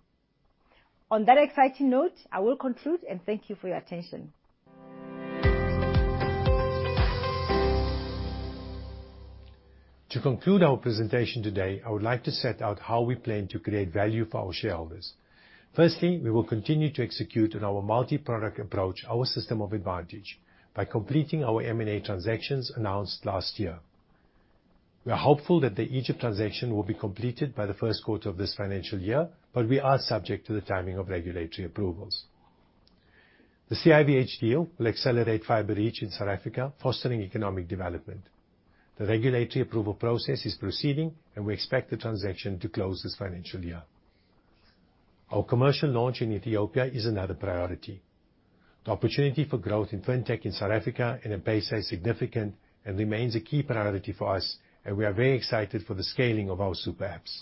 On that exciting note, I will conclude, and thank you for your attention. To conclude our presentation today, I would like to set out how we plan to create value for our shareholders. Firstly, we will continue to execute on our multi-product approach, our System of Advantage, by completing our M&A transactions announced last year. We are hopeful that the Egypt transaction will be completed by the first quarter of this financial year, but we are subject to the timing of regulatory approvals. The CIVH deal will accelerate fiber reach in South Africa, fostering economic development. The regulatory approval process is proceeding, and we expect the transaction to close this financial year. Our commercial launch in Ethiopia is another priority. The opportunity for growth in fintech in South Africa and in VodaPay is significant and remains a key priority for us, and we are very excited for the scaling of our super apps.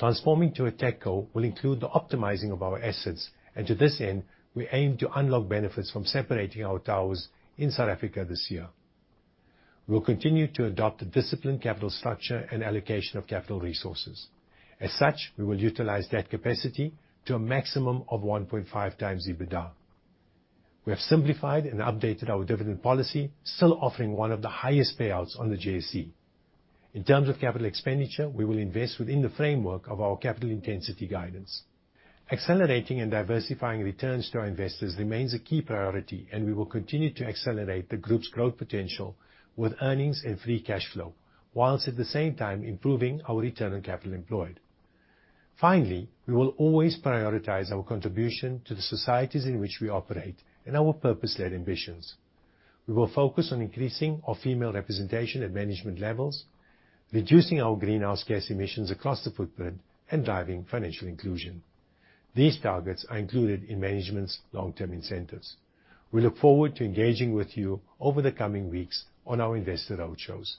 Transforming to a TechCo will include the optimizing of our assets, and to this end, we aim to unlock benefits from separating our towers in South Africa this year. We will continue to adopt a disciplined capital structure and allocation of capital resources. As such, we will utilize debt capacity to a maximum of 1.5x EBITDA. We have simplified and updated our dividend policy, still offering one of the highest payouts on the JSE. In terms of capital expenditure, we will invest within the framework of our capital intensity guidance. Accelerating and diversifying returns to our investors remains a key priority, and we will continue to accelerate the group's growth potential with earnings and free cash flow, while at the same time improving our return on capital employed. Finally, we will always prioritize our contribution to the societies in which we operate and our purpose-led ambitions. We will focus on increasing our female representation at management levels, reducing our greenhouse gas emissions across the footprint, and driving financial inclusion. These targets are included in management's long-term incentives. We look forward to engaging with you over the coming weeks on our investor roadshows.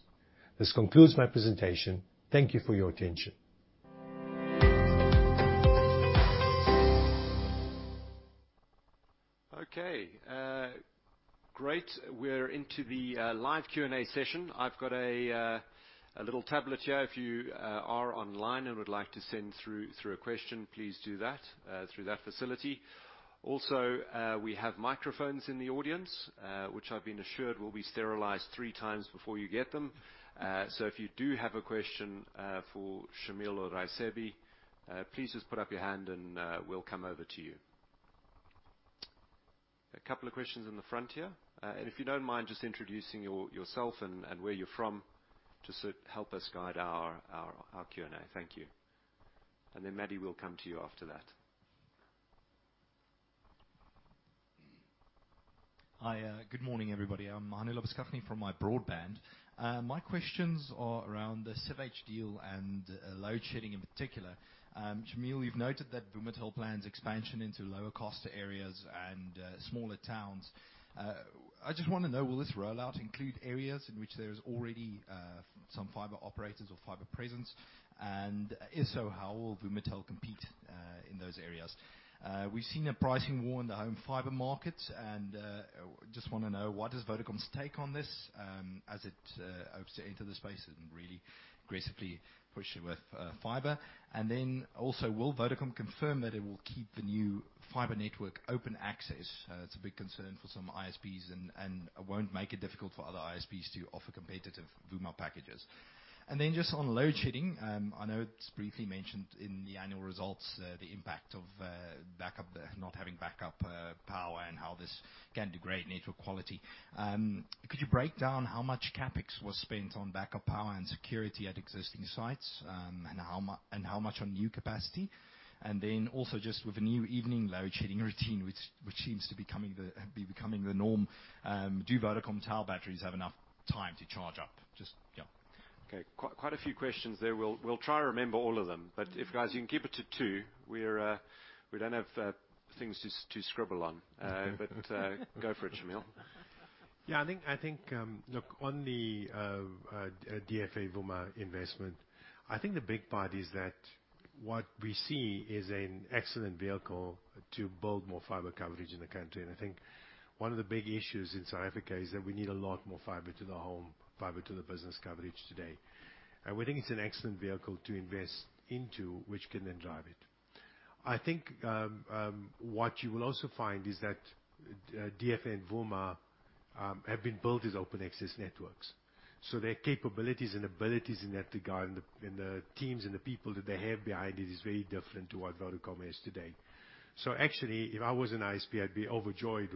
This concludes my presentation. Thank you for your attention. Okay. Great. We're into the live Q&A session. I've got a little tablet here. If you are online and would like to send through a question, please do that through that facility. Also, we have microphones in the audience, which I've been assured will be sterilized three times before you get them. If you do have a question for Shameel or Raisibe, please just put up your hand and we'll come over to you. A couple of questions in the front here. If you don't mind just introducing yourself and where you're from to help us guide our Q&A. Thank you. Maddie, we'll come to you after that. Hi, good morning, everybody. I'm Jan Vermeulen from MyBroadband. My questions are around the CIVH deal and load shedding in particular. Shameel, you've noted that Vumatel plans expansion into lower cost areas and smaller towns. I just wanna know, will this rollout include areas in which there is already some fiber operators or fiber presence? And if so, how will Vumatel compete in those areas? We've seen a pricing war in the home fiber market, and just wanna know, what is Vodacom's take on this, as it hopes to enter the space and really aggressively push it with fiber? And then also, will Vodacom confirm that it will keep the new fiber network open access? It's a big concern for some ISPs and it won't make it difficult for other ISPs to offer competitive Vumatel packages. Just on load shedding, I know it's briefly mentioned in the annual results, the impact of not having backup power and how this can degrade network quality. Could you break down how much CapEx was spent on backup power and security at existing sites, and how much on new capacity? Also just with the new evening load shedding routine, which seems to be becoming the norm, do Vodacom tower batteries have enough time to charge up? Okay. Quite a few questions there. We'll try to remember all of them. If guys, you can keep it to two, we don't have things to scribble on. Go for it, Shameel. Yeah, I think, look, on the DFA Vumatel investment, I think the big part is that what we see is an excellent vehicle to build more fiber coverage in the country. I think one of the big issues in South Africa is that we need a lot more fiber to the home, fiber to the business coverage today. We think it's an excellent vehicle to invest into, which can then drive it. I think, what you will also find is that, DFA and Vumatel, have been built as open access networks. Their capabilities and abilities in that regard and the teams and the people that they have behind it is very different to what Vodacom has today. Actually, if I was an ISP, I'd be overjoyed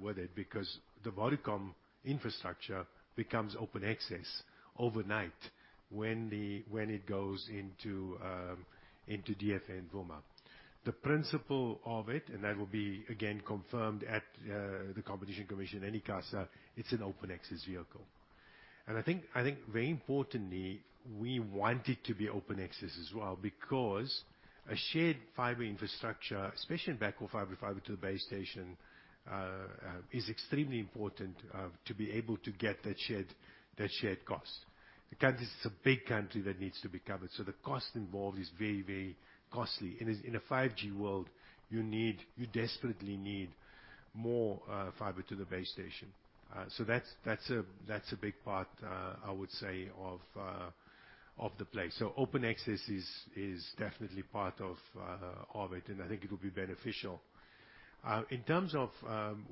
with it because the Vodacom infrastructure becomes open access overnight when it goes into DFA and Vumatel. The principle of it, and that will be again confirmed at the Competition Commission, in any case, it's an open access vehicle. I think very importantly, we want it to be open access as well because a shared fiber infrastructure, especially in backhaul fiber to the base station, is extremely important to be able to get that shared cost. The country is a big country that needs to be covered, so the cost involved is very, very costly. In a 5G world you need, you desperately need more fiber to the base station. That's a big part I would say of the play. Open access is definitely part of it, and I think it will be beneficial. In terms of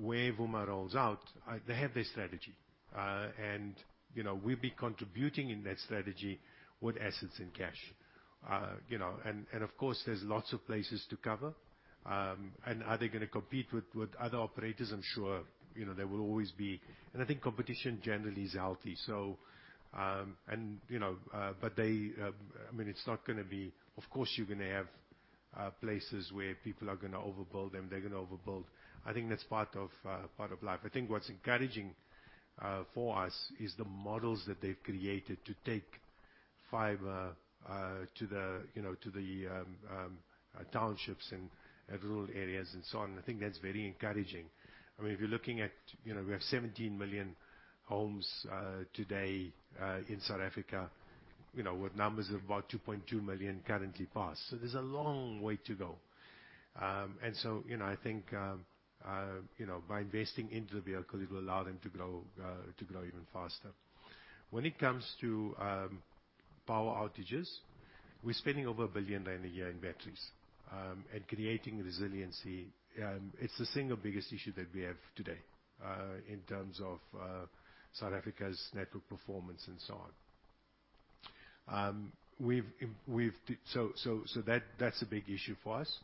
where Vumatel rolls out, they have their strategy. You know, we'll be contributing in that strategy with assets and cash. You know, of course there's lots of places to cover. Are they gonna compete with other operators? I'm sure, you know, there will always be. I think competition generally is healthy. You know, but they, I mean it's not gonna be. Of course you're gonna have places where people are gonna overbuild them, they're gonna overbuild. I think that's part of life. I think what's encouraging for us is the models that they've created to take fiber to the townships and rural areas and so on. I think that's very encouraging. I mean, if you're looking at, you know, we have 17 million homes today in South Africa, you know, with numbers of about 2.2 million currently passed. There's a long way to go. You know, I think by investing into the vehicle it will allow them to grow even faster. When it comes to power outages, we're spending over 1 billion rand a year in batteries and creating resiliency. It's the single biggest issue that we have today in terms of South Africa's network performance and so on. That's a big issue for us.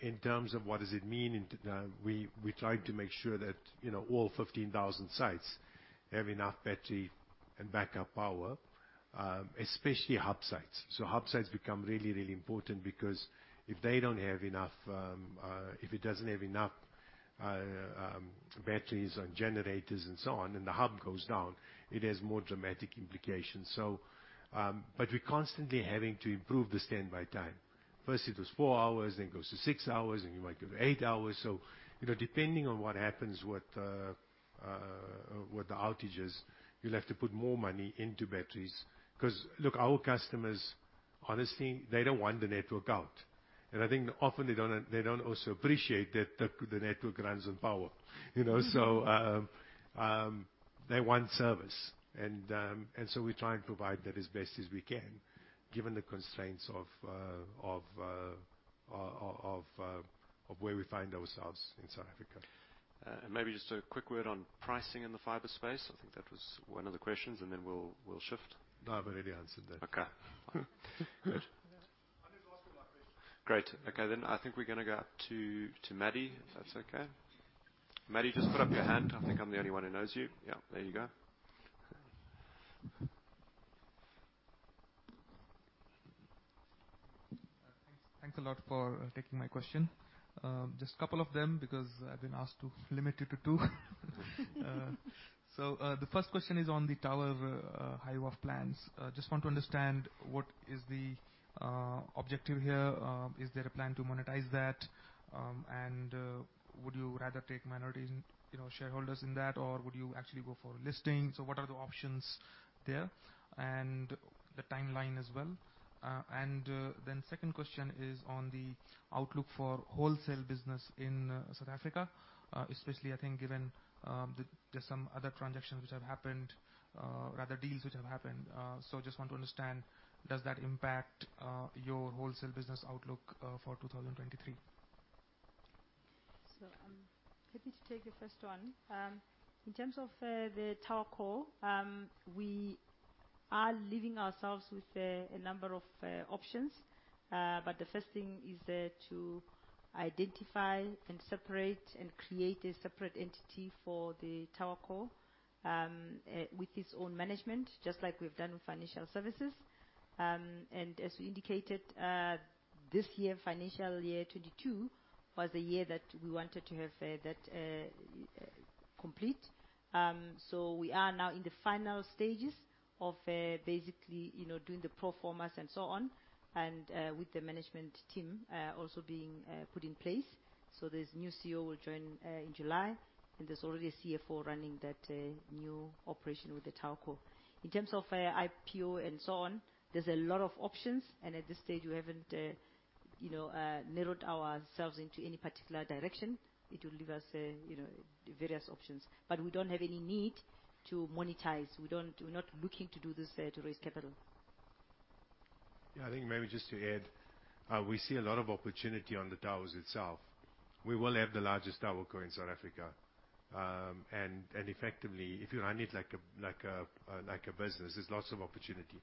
In terms of what does it mean in, we try to make sure that, you know, all 15,000 sites have enough battery and backup power, especially hub sites. Hub sites become really, really important because if they don't have enough, if it doesn't have enough, batteries or generators and so on and the hub goes down, it has more dramatic implications. We're constantly having to improve the standby time. First it was 4 hours, then it goes to 6 hours, then you might go to 8 hours. You know, depending on what happens with the outages, you'll have to put more money into batteries. 'Cause look, our customers, honestly, they don't want the network out. I think often they don't also appreciate that the network runs on power, you know? They want service and so we try and provide that as best as we can given the constraints of where we find ourselves in South Africa. Maybe just a quick word on pricing in the fiber space. I think that was one of the questions, and then we'll shift. No, I've already answered that. Okay. Good. Great. Okay, I think we're gonna go to Matty, if that's okay. Matty, just put up your hand. I think I'm the only one who knows you. Yeah, there you go. Thanks. Thanks a lot for taking my question. Just a couple of them because I've been asked to limit it to two. The first question is on the tower hive-off plans. Just want to understand what is the objective here. Is there a plan to monetize that? Would you rather take minority in, you know, shareholders in that or would you actually go for listing? What are the options there? The timeline as well. Then second question is on the outlook for wholesale business in South Africa, especially I think given the there's some other transactions which have happened, rather deals which have happened. Just want to understand does that impact your wholesale business outlook for 2023? I'm happy to take the first one. In terms of the TowerCo, we are leaving ourselves with a number of options. The first thing is to identify and separate and create a separate entity for the TowerCo with its own management, just like we've done with financial services. As we indicated, this year, financial year 2022 was the year that we wanted to have that complete. We are now in the final stages of basically you know doing the pro formas and so on and with the management team also being put in place. This new CEO will join in July, and there's already a CFO running that new operation with the TowerCo. In terms of IPO and so on, there's a lot of options, and at this stage, we haven't you know narrowed ourselves into any particular direction. It will leave us you know various options. We don't have any need to monetize. We're not looking to do this to raise capital. Yeah. I think maybe just to add, we see a lot of opportunity on the towers itself. We will have the largest TowerCo in South Africa. And effectively, if you run it like a business, there's lots of opportunity.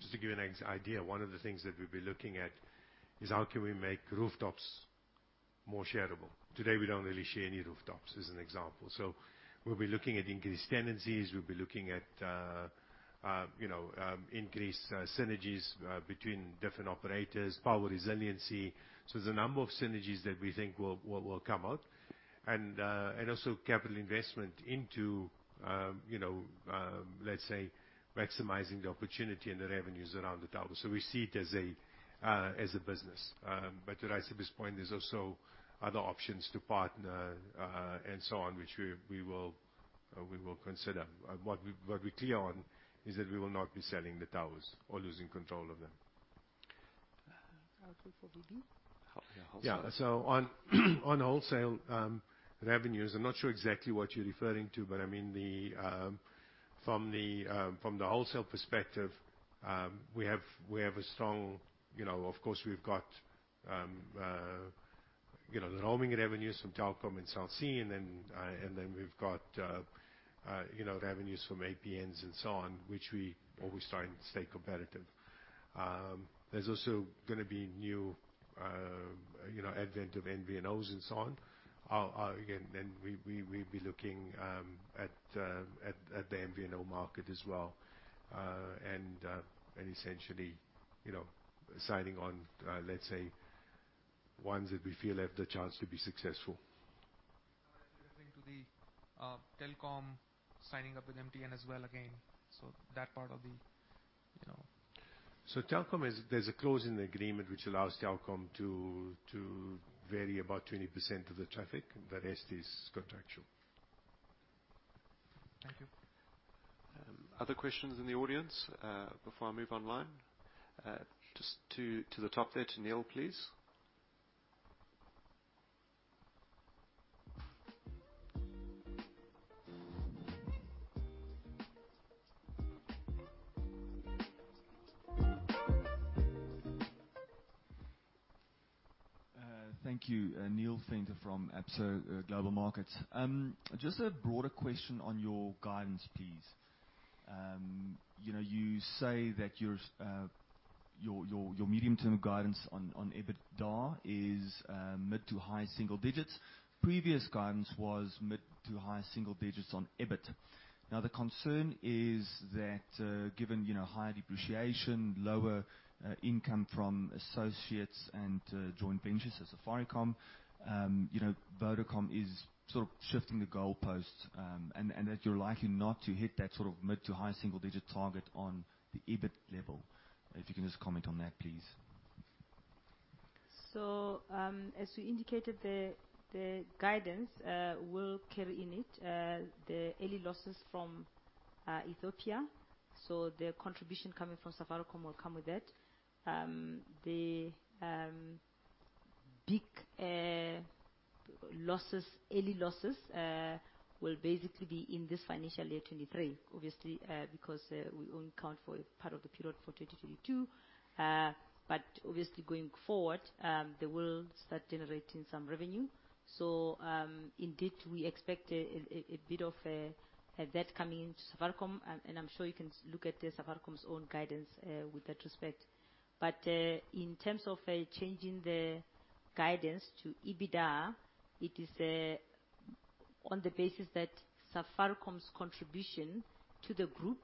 Just to give you an idea, one of the things that we'll be looking at is how can we make rooftops more shareable. Today, we don't really share any rooftops, as an example. We'll be looking at increased tenancies. We'll be looking at, you know, increased synergies between different operators, power resiliency. There's a number of synergies that we think will come out. Also capital investment into, you know, let's say maximizing the opportunity and the revenues around the towers. We see it as a business. To Raisibe's point, there's also other options to partner and so on, which we will consider. What we're clear on is that we will not be selling the towers or losing control of them. Okay. TowerCo for VB. Yeah, wholesale. On wholesale revenues, I'm not sure exactly what you're referring to, but I mean, from the wholesale perspective, we have a strong, you know, of course, we've got the roaming revenues from Telkom and Cell C, and then we've got revenues from APNs and so on, which we always trying to stay competitive. There's also gonna be new advent of MVNOs and so on. We're, again, we will be looking at the MVNO market as well. And essentially, you know, signing on, let's say, ones that we feel have the chance to be successful. I was referring to the Telkom signing up with MTN as well again, so that part of the, you know. Telkom there's a clause in the agreement which allows Telkom to vary about 20% of the traffic. The rest is contractual. Thank you. Other questions in the audience before I move online? Just to the top there, to Niel, please. Thank you. Niel Venter from Absa Global Markets. Just a broader question on your guidance, please. You know, you say that your medium-term guidance on EBITDA is mid-to-high single digits. Previous guidance was mid-to-high single digits on EBIT. Now, the concern is that, given, you know, higher depreciation, lower income from associates and joint ventures at Safaricom, you know, Vodacom is sort of shifting the goalposts, and that you're likely not to hit that sort of mid-to-high single digit target on the EBIT level. If you can just comment on that, please. As we indicated, the guidance will carry in it the early losses from Ethiopia, so the contribution coming from Safaricom will come with that. The big early losses will basically be in this financial year, 2023, obviously, because we only account for part of the period for 2022. Obviously going forward, they will start generating some revenue. Indeed we expect a bit of that coming into Safaricom, and I'm sure you can look at Safaricom's own guidance with that respect. In terms of changing the guidance to EBITDA, it is on the basis that Safaricom's contribution to the group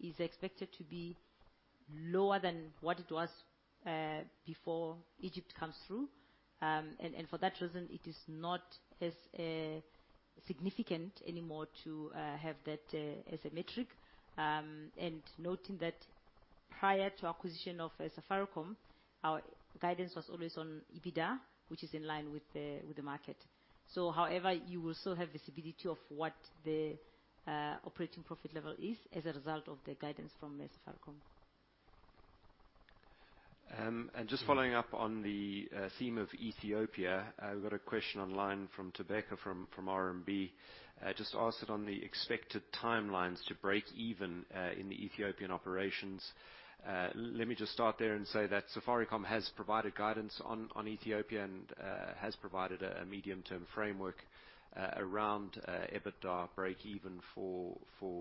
is expected to be lower than what it was before Egypt comes through. For that reason, it is not as significant anymore to have that as a metric. Noting that prior to acquisition of Safaricom, our guidance was always on EBITDA, which is in line with the market. However, you will still have visibility of what the operating profit level is as a result of the guidance from Safaricom. Just following up on the theme of Ethiopia, we've got a question online from Thobeka, from RMB. Just asked on the expected timelines to break even in the Ethiopian operations. Let me just start there and say that Safaricom has provided guidance on Ethiopia and has provided a medium-term framework around EBITDA break even for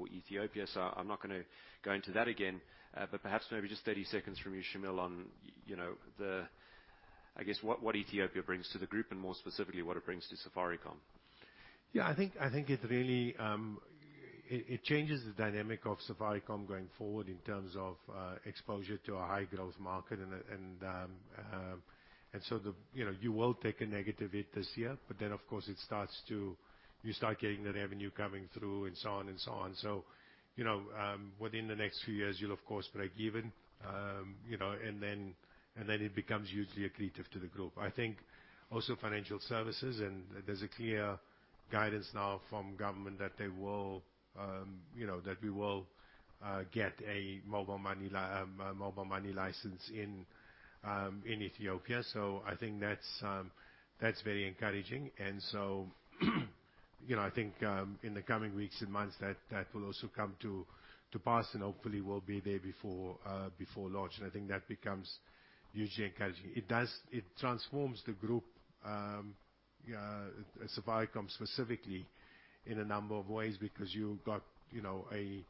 Ethiopia. I'm not gonna go into that again. Perhaps maybe just 30 seconds from you, Shameel, on, you know, what Ethiopia brings to the group and more specifically what it brings to Safaricom. Yeah, I think it really changes the dynamic of Safaricom going forward in terms of exposure to a high growth market and so the, you know, you will take a negative hit this year, but then of course it starts to. You start getting that revenue coming through and so on and so on. You know, within the next few years you'll of course break even, you know, and then it becomes usually accretive to the group. I think also financial services and there's a clear guidance now from government that they will, you know, that we will get a mobile money license in Ethiopia. I think that's very encouraging. You know, I think in the coming weeks and months that will also come to pass and hopefully will be there before launch. I think that becomes usually encouraging. It does. It transforms the group, Safaricom specifically in a number of ways because you've got, you know, a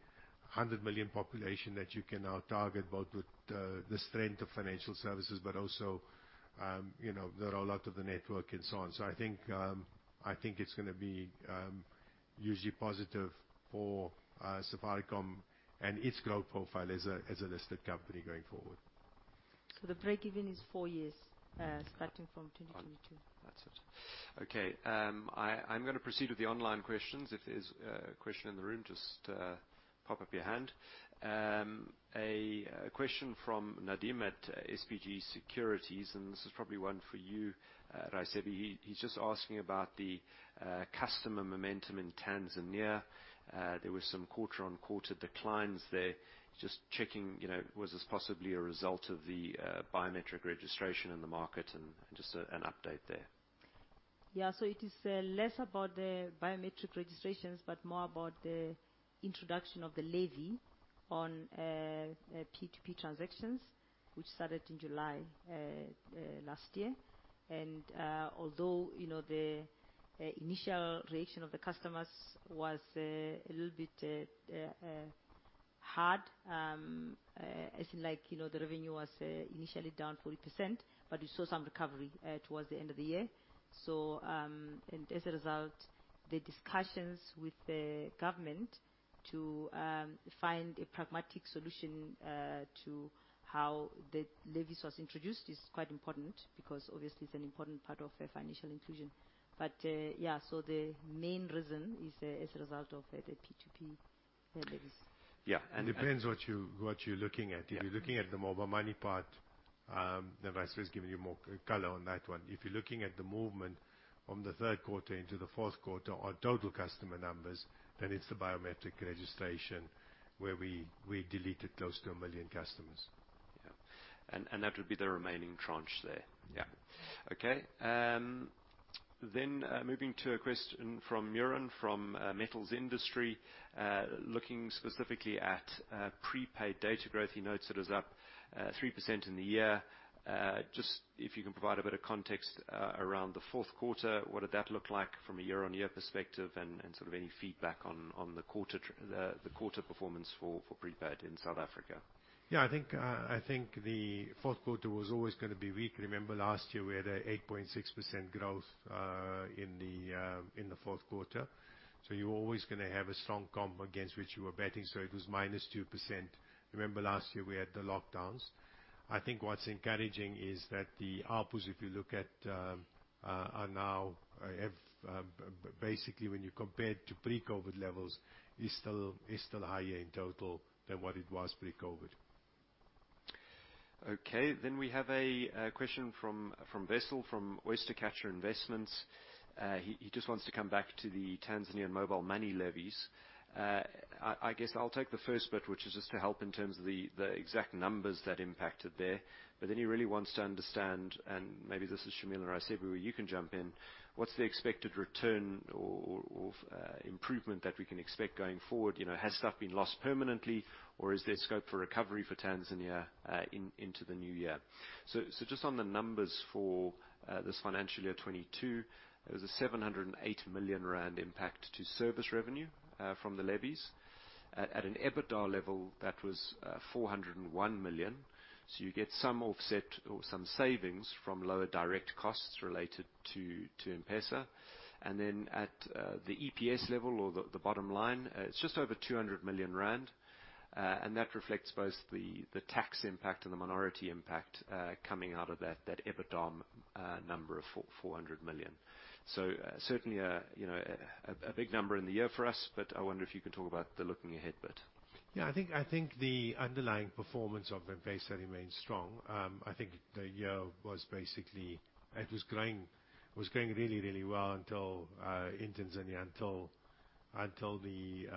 100 million population that you can now target, both with the strength of financial services but also, you know, the rollout of the network and so on. I think it's gonna be usually positive for Safaricom and its growth profile as a listed company going forward. The break-even is 4 years starting from 2022. That's it. Okay. I'm gonna proceed with the online questions. If there's a question in the room, just pop up your hand. A question from Nadeem at SBG Securities, and this is probably one for you, Raisibe. He's just asking about the customer momentum in Tanzania. There were some quarter-on-quarter declines there. Just checking, you know, was this possibly a result of the biometric registration in the market, and just an update there. Yeah. It is less about the biometric registrations, but more about the introduction of the levy on P2P transactions, which started in July last year. Although you know the initial reaction of the customers was a little bit hard, as in like you know the revenue was initially down 40%, but we saw some recovery towards the end of the year. As a result, the discussions with the government to find a pragmatic solution to how the levies was introduced is quite important because obviously it is an important part of financial inclusion. The main reason is as a result of the P2P levies. Yeah. It depends what you're looking at. Yeah. If you're looking at the mobile money part, Raisibe's given you more color on that one. If you're looking at the movement from the third quarter into the fourth quarter, our total customer numbers, then it's the biometric registration where we deleted close to 1 million customers. Yeah. That would be the remaining tranche there. Yeah. Moving to a question from Myuran from Metals Industry looking specifically at prepaid data growth. He notes it is up 3% in the year. Just if you can provide a bit of context around the fourth quarter, what did that look like from a year-on-year perspective, and sort of any feedback on the quarter performance for prepaid in South Africa? Yeah, I think the fourth quarter was always gonna be weak. Remember last year we had an 8.6% growth in the fourth quarter. So you're always gonna have a strong comp against which you were betting, so it was -2%. Remember last year we had the lockdowns. I think what's encouraging is that the outputs, if you look at, are now above basically when you compare it to pre-COVID levels, is still higher in total than what it was pre-COVID. Okay. We have a question from Wessel from Oyster Catcher Investments. He just wants to come back to the Tanzania mobile money levies. I guess I'll take the first bit, which is just to help in terms of the exact numbers that impacted there. He really wants to understand, and maybe this is Shameel or Raisibe, where you can jump in, what's the expected return or improvement that we can expect going forward? You know, has stuff been lost permanently, or is there scope for recovery for Tanzania into the new year? Just on the numbers for this financial year 2022, there was a 708 million rand impact to service revenue from the levies. At an EBITDA level, that was 401 million. You get some offset or some savings from lower direct costs related to M-PESA. At the EPS level or the bottom line, it's just over 200 million rand. That reflects both the tax impact and the minority impact coming out of that EBITDA number of 400 million. Certainly a big number in the year for us, but I wonder if you can talk about the looking ahead bit. Yeah, I think the underlying performance of M-PESA remains strong. I think the year was basically it was growing really really well until in Tanzania the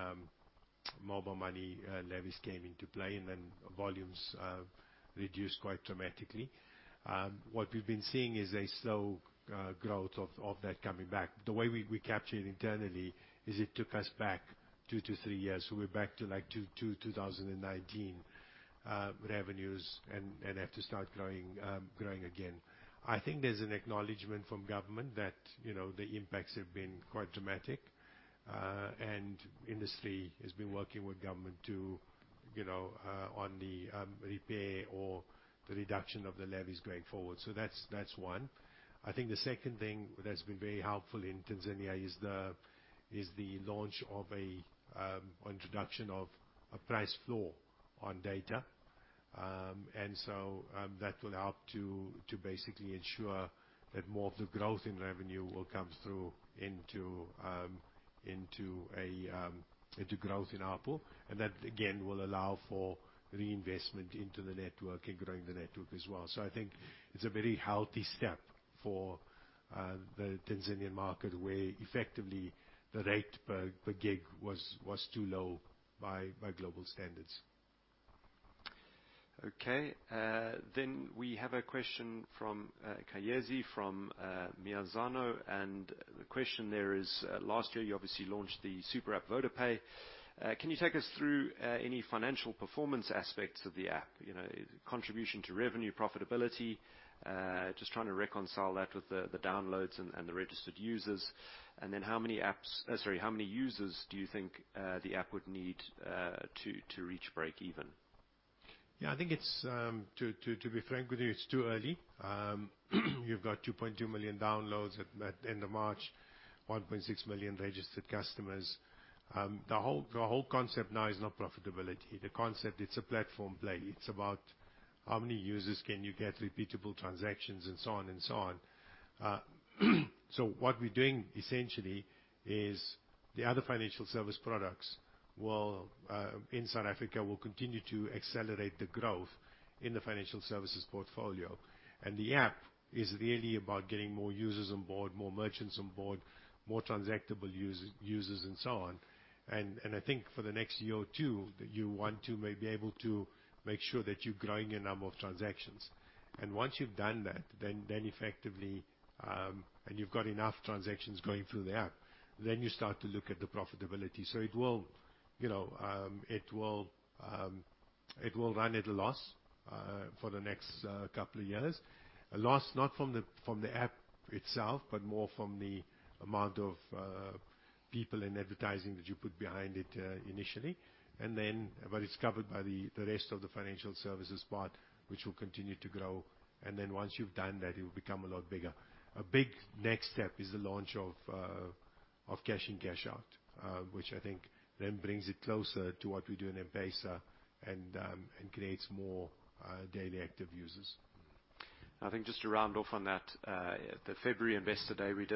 mobile money levies came into play, and then volumes reduced quite dramatically. What we've been seeing is a slow growth of that coming back. The way we capture it internally is it took us back 2-3 years, so we're back to like 2019 revenues and have to start growing again. I think there's an acknowledgement from government that, you know, the impacts have been quite dramatic. Industry has been working with government to, you know, on the repair or the reduction of the levies going forward. So that's one. I think the second thing that's been very helpful in Tanzania is the introduction of a price floor on data. That will help to basically ensure that more of the growth in revenue will come through into growth in ARPU. That, again, will allow for reinvestment into the network and growing the network as well. I think it's a very healthy step for the Tanzanian market, where effectively the rate per gig was too low by global standards. Okay. We have a question from Khayesi from Mazi Asset Management. The question there is, last year you obviously launched the super app, VodaPay. Can you take us through any financial performance aspects of the app? You know, contribution to revenue, profitability. Just trying to reconcile that with the downloads and the registered users. How many users do you think the app would need to reach break even? Yeah, I think it's to be frank with you, it's too early. You've got 2.2 million downloads at end of March, 1.6 million registered customers. The whole concept now is not profitability. The concept, it's a platform play. It's about how many users can you get repeatable transactions and so on and so on. So what we're doing essentially is the other financial service products will, in South Africa, continue to accelerate the growth in the financial services portfolio. The app is really about getting more users on board, more merchants on board, more transactable users and so on. I think for the next year or two, you may be able to make sure that you're growing your number of transactions. Once you've done that, then effectively, and you've got enough transactions going through the app, then you start to look at the profitability. It will, you know, run at a loss for the next couple of years. A loss not from the app itself, but more from the amount of people in advertising that you put behind it initially. It's covered by the rest of the financial services part, which will continue to grow. Once you've done that, it will become a lot bigger. A big next step is the launch of cash in, cash out, which I think then brings it closer to what we do in M-PESA and creates more daily active users. I think just to round off on that, the February Investor Day we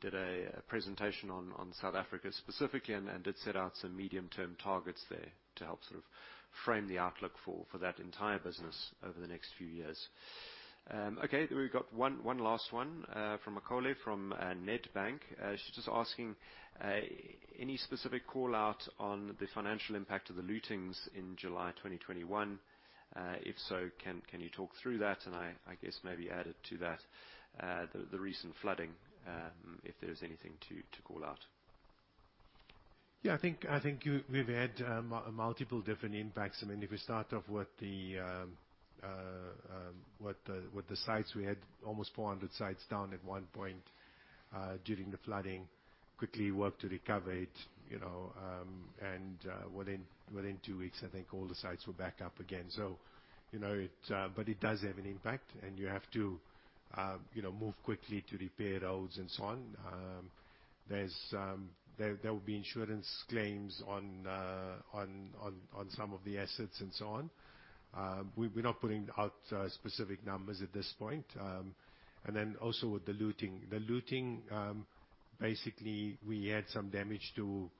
did a presentation on South Africa specifically and did set out some medium-term targets there to help sort of frame the outlook for that entire business over the next few years. Okay, we've got one last one from Magole from Nedbank. She's just asking any specific call-out on the financial impact of the lootings in July 2021? If so, can you talk through that? I guess maybe added to that, the recent flooding, if there's anything to call out. I think we've had multiple different impacts. I mean, if you start off with the sites, we had almost 400 sites down at one point during the flooding. Quickly worked to recover it, you know, and within two weeks, I think all the sites were back up again. You know, it but it does have an impact, and you have to you know, move quickly to repair roads and so on. There will be insurance claims on some of the assets and so on. We're not putting out specific numbers at this point. And then also with the looting. The looting, basically, we had some damage to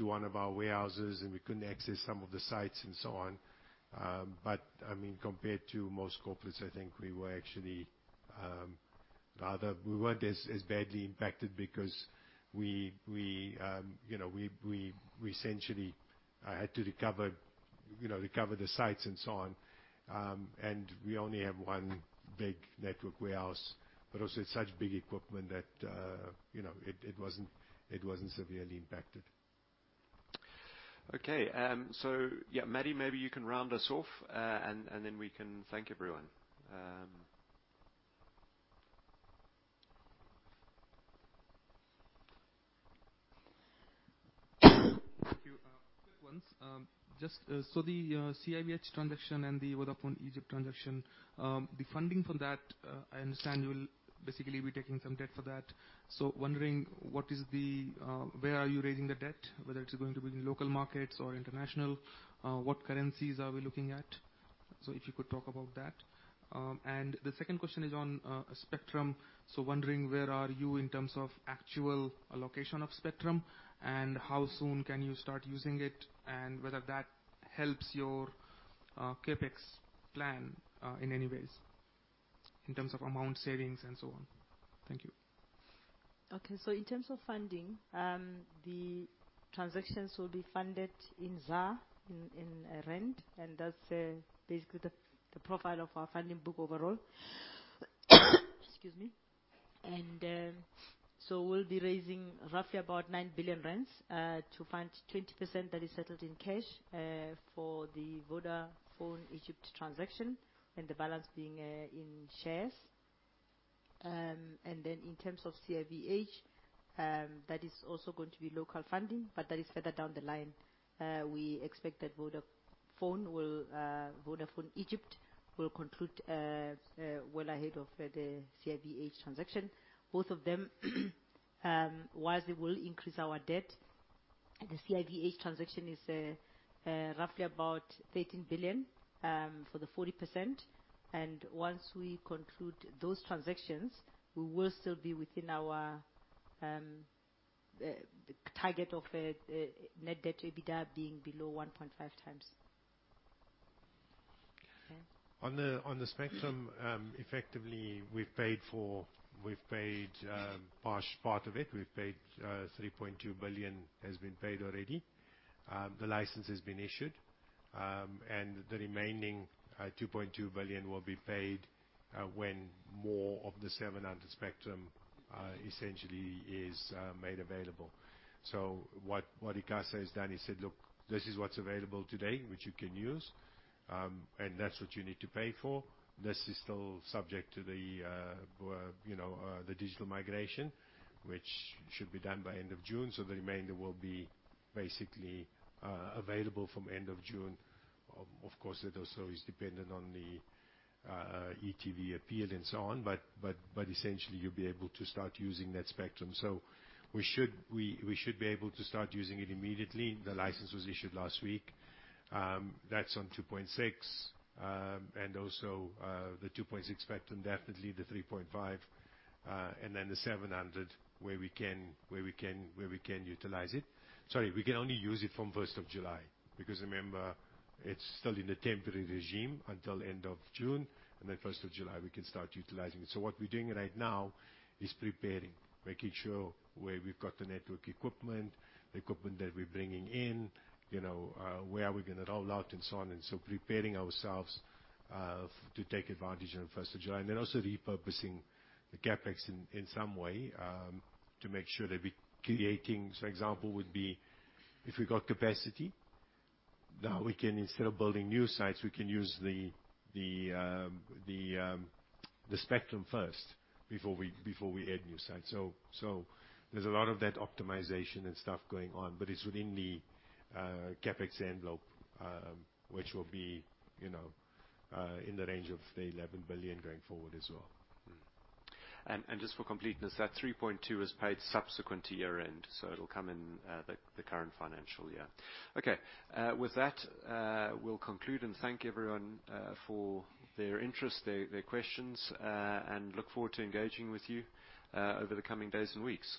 one of our warehouses, and we couldn't access some of the sites and so on. I mean, compared to most corporates, I think we were actually rather, we weren't as badly impacted because we, you know, essentially had to recover, you know, recover the sites and so on. We only have one big network warehouse, but also it's such big equipment that you know it wasn't severely impacted. Okay. Yeah, Maddie, maybe you can round us off, and then we can thank everyone. Thank you. Quick ones. Just the CIVH transaction and the Vodafone Egypt transaction, the funding for that, I understand you will basically be taking some debt for that. Wondering where are you raising the debt, whether it's going to be in local markets or international? What currencies are we looking at? If you could talk about that. The second question is on spectrum. Wondering where are you in terms of actual allocation of spectrum? And how soon can you start using it? And whether that helps your CapEx plan in any ways in terms of amount savings and so on. Thank you. Okay. In terms of funding, the transactions will be funded in ZAR, in rand, and that's basically the profile of our funding book overall. Excuse me. We'll be raising roughly about 9 billion rand to fund 20% that is settled in cash for the Vodafone Egypt transaction, and the balance being in shares. In terms of CIVH, that is also going to be local funding, but that is further down the line. We expect that Vodafone Egypt will conclude well ahead of the CIVH transaction. Both of them, whilst they will increase our debt, the CIVH transaction is roughly about 13 billion for the 40%. Once we conclude those transactions, we will still be within our target of the net debt to EBITDA being below 1.5 times. Okay. On the spectrum, effectively, we've paid for. We've paid part of it. We've paid 3.2 billion has been paid already. The license has been issued. And the remaining two point two billion will be paid when more of the 700 spectrum essentially is made available. So what ICASA has done, he said, "Look, this is what's available today, which you can use, and that's what you need to pay for. This is still subject to the, you know, the digital migration, which should be done by end of June. So the remainder will be basically available from end of June." Of course, it also is dependent on the e.tv Appeal and so on. Essentially, you'll be able to start using that spectrum. We should be able to start using it immediately. The license was issued last week. That's on 2.6. And also, the 2.6 spectrum, definitely the 3.5, and then the 700 where we can utilize it. Sorry, we can only use it from first of July, because remember, it's still in the temporary regime until end of June, and then first of July we can start utilizing it. What we're doing right now is preparing, making sure where we've got the network equipment, the equipment that we're bringing in. You know, where are we gonna roll out and so on. Preparing ourselves to take advantage on first of July, and then also repurposing the CapEx in some way to make sure that we're creating. So example would be if we got capacity, now we can, instead of building new sites, we can use the spectrum first before we add new sites. So there's a lot of that optimization and stuff going on, but it's within the CapEx envelope, which will be, you know, in the range of 11 billion going forward as well. Just for completeness, that 3.2 was paid subsequent to year-end, so it'll come in the current financial year. Okay. With that, we'll conclude and thank everyone for their interest, their questions, and look forward to engaging with you over the coming days and weeks.